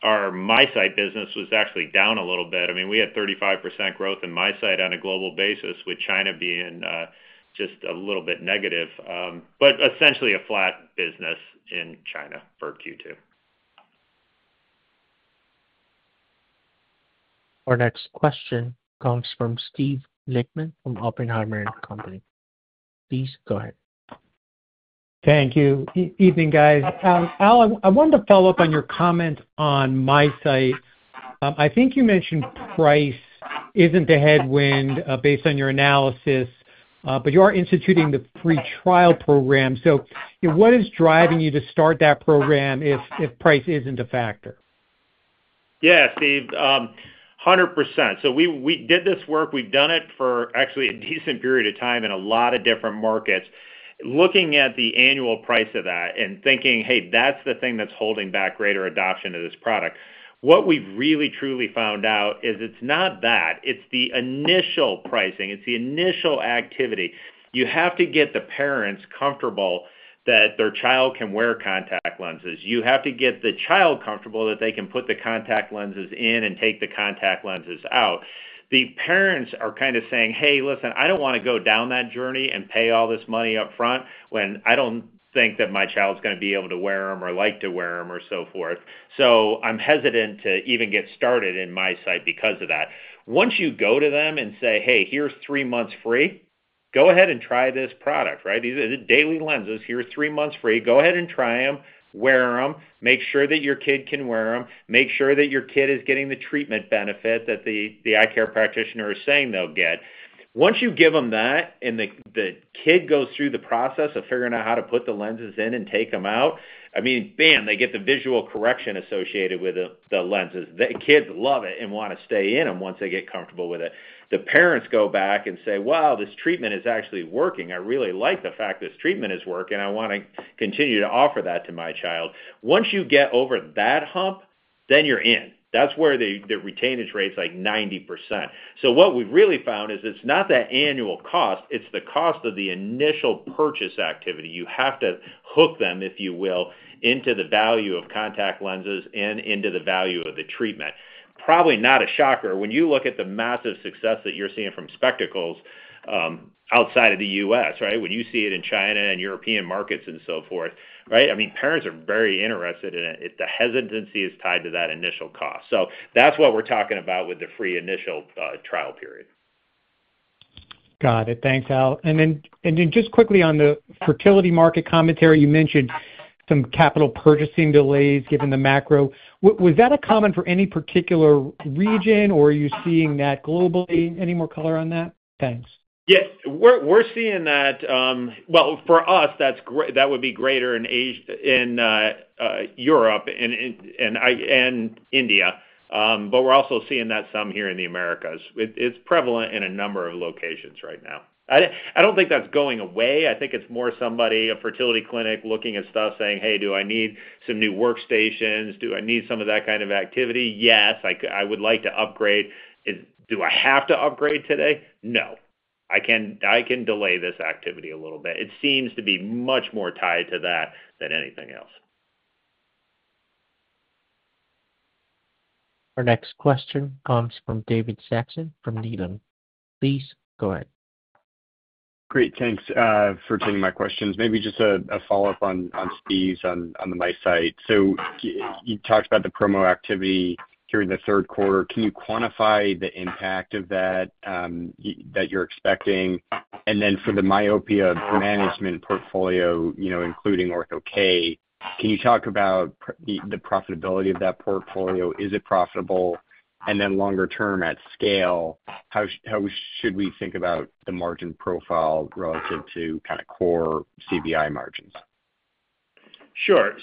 Our MySight business was actually down a little bit. I mean, we had 35% growth in MySight on a global basis, with China being just a little bit negative. Essentially a flat business in China for Q2. Our next question comes from Steve Lichtman from Oppenheimer & Company. Please go ahead. Thank you. Evening, guys. Al, I wanted to follow up on your comment on MySight. I think you mentioned price is not a headwind based on your analysis, but you are instituting the free trial program. What is driving you to start that program if price is not a factor? Yeah, Steve, 100%. We did this work. We have done it for actually a decent period of time in a lot of different markets. Looking at the annual price of that and thinking, "Hey, that is the thing that is holding back greater adoption of this product." What we have really truly found out is it is not that. It is the of saying, "Hey, listen, I don't want to go down that journey and pay all this money upfront when I don't think that my chil initial pricing. It is the initial activity. You have to get the parents comfortable that their child can wear contact lenses. You have to get the child comfortable that they can put the contact lenses in and take the contact lenses out. The parents are kindd's going to be able to wear them or like to wear them or so forth." I'm hesitant to even get started in MySight because of that. Once you go to them and say, "Hey, here's three months free, go ahead and try this product," right? These are daily lenses. Here's three months free. Go ahead and try them, wear them, make sure that your kid can wear them, make sure that your kid is getting the treatment benefit that the eye care practitioner is saying they'll get. Once you give them that and the kid goes through the process of figuring out how to put the lenses in and take them out, I mean, bam, they get the visual correction associated with the lenses. The kids love it and want to stay in them once they get comfortable with it. The parents go back and say, "Wow, this treatment is actually working. I really like the fact this treatment is working. I want to continue to offer that to my child." Once you get over that hump, then you're in. That's where the retainage rate's like 90%. So what we've really found is it's not that annual cost. It's the cost of the initial purchase activity. You have to hook them, if you will, into the value of contact lenses and into the value of the treatment. Probably not a shocker. When you look at the massive success that you're seeing from spectacles outside of the U.S., right? When you see it in China and European markets and so forth, right? I mean, parents are very interested, and the hesitancy is tied to that initial cost. So that's what we're talking about with the free initial trial period. Got it. Thanks, Al. And then just quickly on the fertility market commentary, you mentioned some capital purchasing delays given the macro. Was that a comment for any particular region, or are you seeing that globally? Any more color on that? Thanks. Yes. We're seeing that. For us, that would be greater in Europe and India. We're also seeing that some here in the Americas. It's prevalent in a number of locations right now. I don't think that's going away. I think it's more somebody, a fertility clinic looking at stuff saying, "Hey, do I need some new workstations? Do I need some of that kind of activity?" Yes. I would like to upgrade. Do I have to upgrade today? No. I can delay this activity a little bit. It seems to be much more tied to that than anything else. Our next question comes from David Saxon from Needham. Please go ahead. Great. Thanks for taking my questions. Maybe just a follow-up on Steve's on the MySight. You talked about the promo activity during the third quarter. Can you quantify the impact of that that you're expecting? And then for the myopia management portfolio, including OrthoK, can you talk about the profitability of that portfolio? Is it profitable? Longer term, at scale, how should we think about the margin profile relative to kind of core CVI margins? Sure.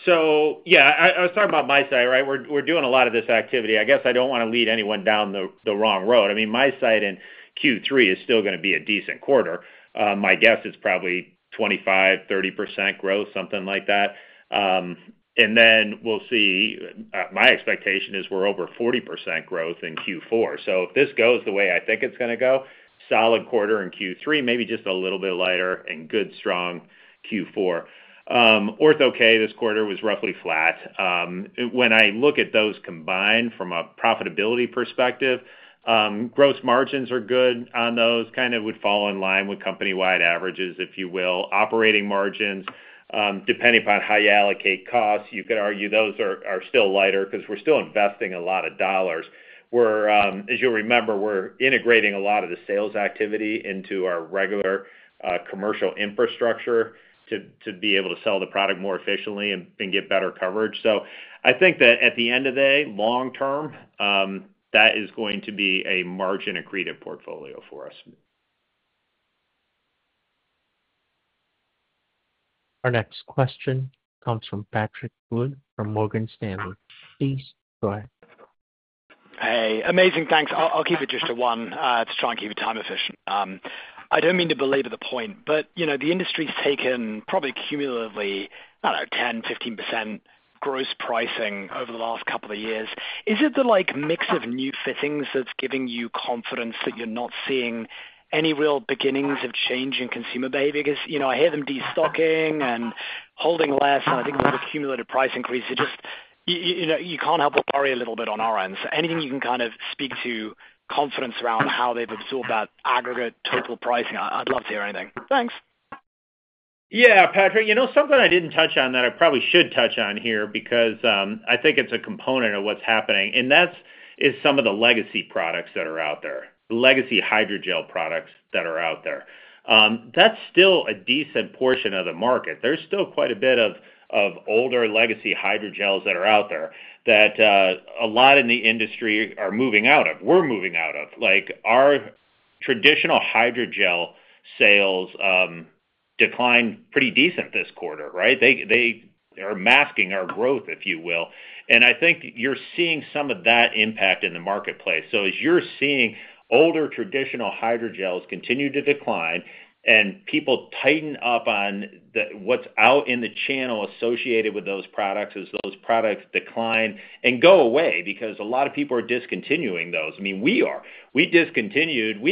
Yeah, I was talking about MySight, right? We're doing a lot of this activity. I guess I don't want to lead anyone down the wrong road. I mean, MySight in Q3 is still going to be a decent quarter. My guess is probably 25%-30% growth, something like that. We will see. My expectation is we're over 40% growth in Q4. If this goes the way I think it's going to go, solid quarter in Q3, maybe just a little bit lighter and good, strong Q4. OrthoK this quarter was roughly flat. When I look at those combined from a profitability perspective, gross margins are good on those. Kind of would fall in line with company-wide averages, if you will. Operating margins, depending upon how you allocate costs, you could argue those are still lighter because we're still investing a lot of dollars. As you'll remember, we're integrating a lot of the sales activity into our regular commercial infrastructure to be able to sell the product more efficiently and get better coverage. I think that at the end of the day, long term, that is going to be a margin-accretive portfolio for us. Our next question comes from Patrick Wood from Morgan Stanley. Please go ahead. Hey. Amazing. Thanks. I'll keep it just to one to try and keep it time efficient. I don't mean to belabor the point, but the industry's taken probably cumulatively, I don't know, 10-15% gross pricing over the last couple of years. Is it the mix of new fittings that's giving you confidence that you're not seeing any real beginnings of change in consumer behavior? Because I hear them destocking and holding less, and I think a lot of cumulative price increase. You can't help but worry a little bit on our end. Anything you can kind of speak to confidence around how they've absorbed that aggregate total pricing? I'd love to hear anything. Thanks. Yeah, Patrick. Something I didn't touch on that I probably should touch on here because I think it's a component of what's happening. That is some of the legacy products that are out there, legacy hydrogel products that are out there. That's still a decent portion of the market. There's still quite a bit of older legacy hydrogels that are out there that a lot in the industry are moving out of. We're moving out of. Our traditional hydrogel sales declined pretty decent this quarter, right? They are masking our growth, if you will. I think you're seeing some of that impact in the marketplace. As you're seeing older traditional hydrogels continue to decline and people tighten up on what's out in the channel associated with those products as those products decline and go away because a lot of people are discontinuing those. I mean, we are. We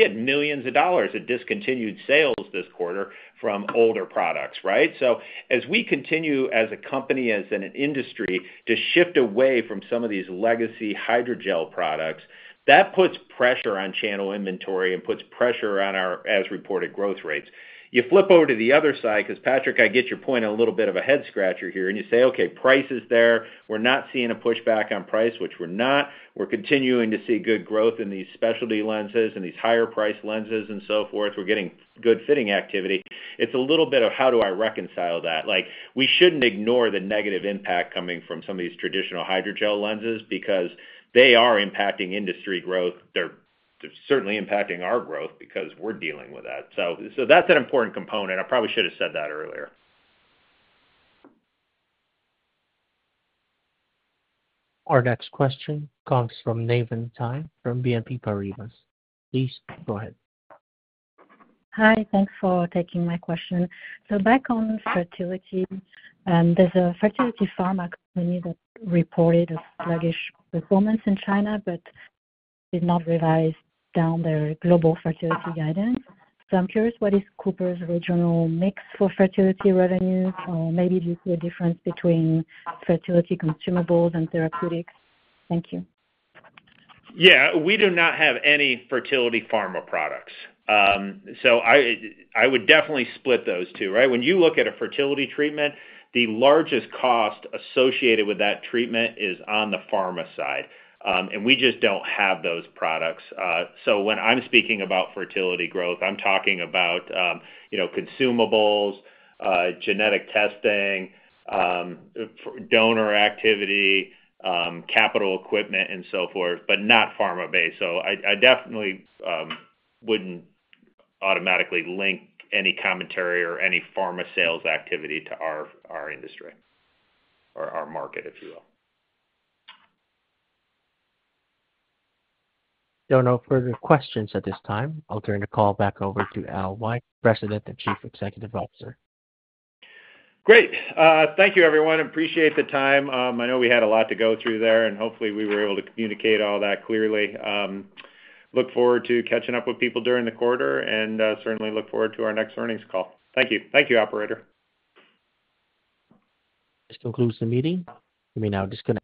had millions of dollars of discontinued sales this quarter from older products, right? As we continue as a company, as an industry, to shift away from some of these legacy hydrogel products, that puts pressure on channel inventory and puts pressure on our as-reported growth rates. You flip over to the other side because Patrick, I get your point a little bit of a head-scratcher here. You say, "Okay, price is there. We're not seeing a pushback on price," which we're not. We're continuing to see good growth in these specialty lenses and these higher-priced lenses and so forth. We're getting good fitting activity. It's a little bit of how do I reconcile that? We shouldn't ignore the negative impact coming from some of these traditional hydrogel lenses because they are impacting industry growth. They're certainly impacting our growth because we're dealing with that. That's an important component. I probably should have said that earlier. Our next question comes from Nathan TSUI from BNP Paribas. Please go ahead. Hi. Thanks for taking my question. Back on fertility, there's a fertility pharma company that reported a sluggish performance in China, but it's not revised down their global fertility guidance. I'm curious, what is Cooper's regional mix for fertility revenues? Or maybe do you see a difference between fertility consumables and therapeutics? Thank you. Yeah. We do not have any fertility pharma products. So I would definitely split those two, right? When you look at a fertility treatment, the largest cost associated with that treatment is on the pharma side. And we just do not have those products. So when I am speaking about fertility growth, I am talking about consumables, genetic testing, donor activity, capital equipment, and so forth, but not pharma-based. I definitely would not automatically link any commentary or any pharma sales activity to our industry or our market, if you will. There are no further questions at this time. I will turn the call back over to Al White, President and Chief Executive Officer. Great. Thank you, everyone. Appreciate the time. I know we had a lot to go through there, and hopefully, we were able to communicate all that clearly. Look forward to catching up with people during the quarter and certainly look forward to our next earnings call. Thank you. Thank you, operator. This concludes the meeting. Let me now just.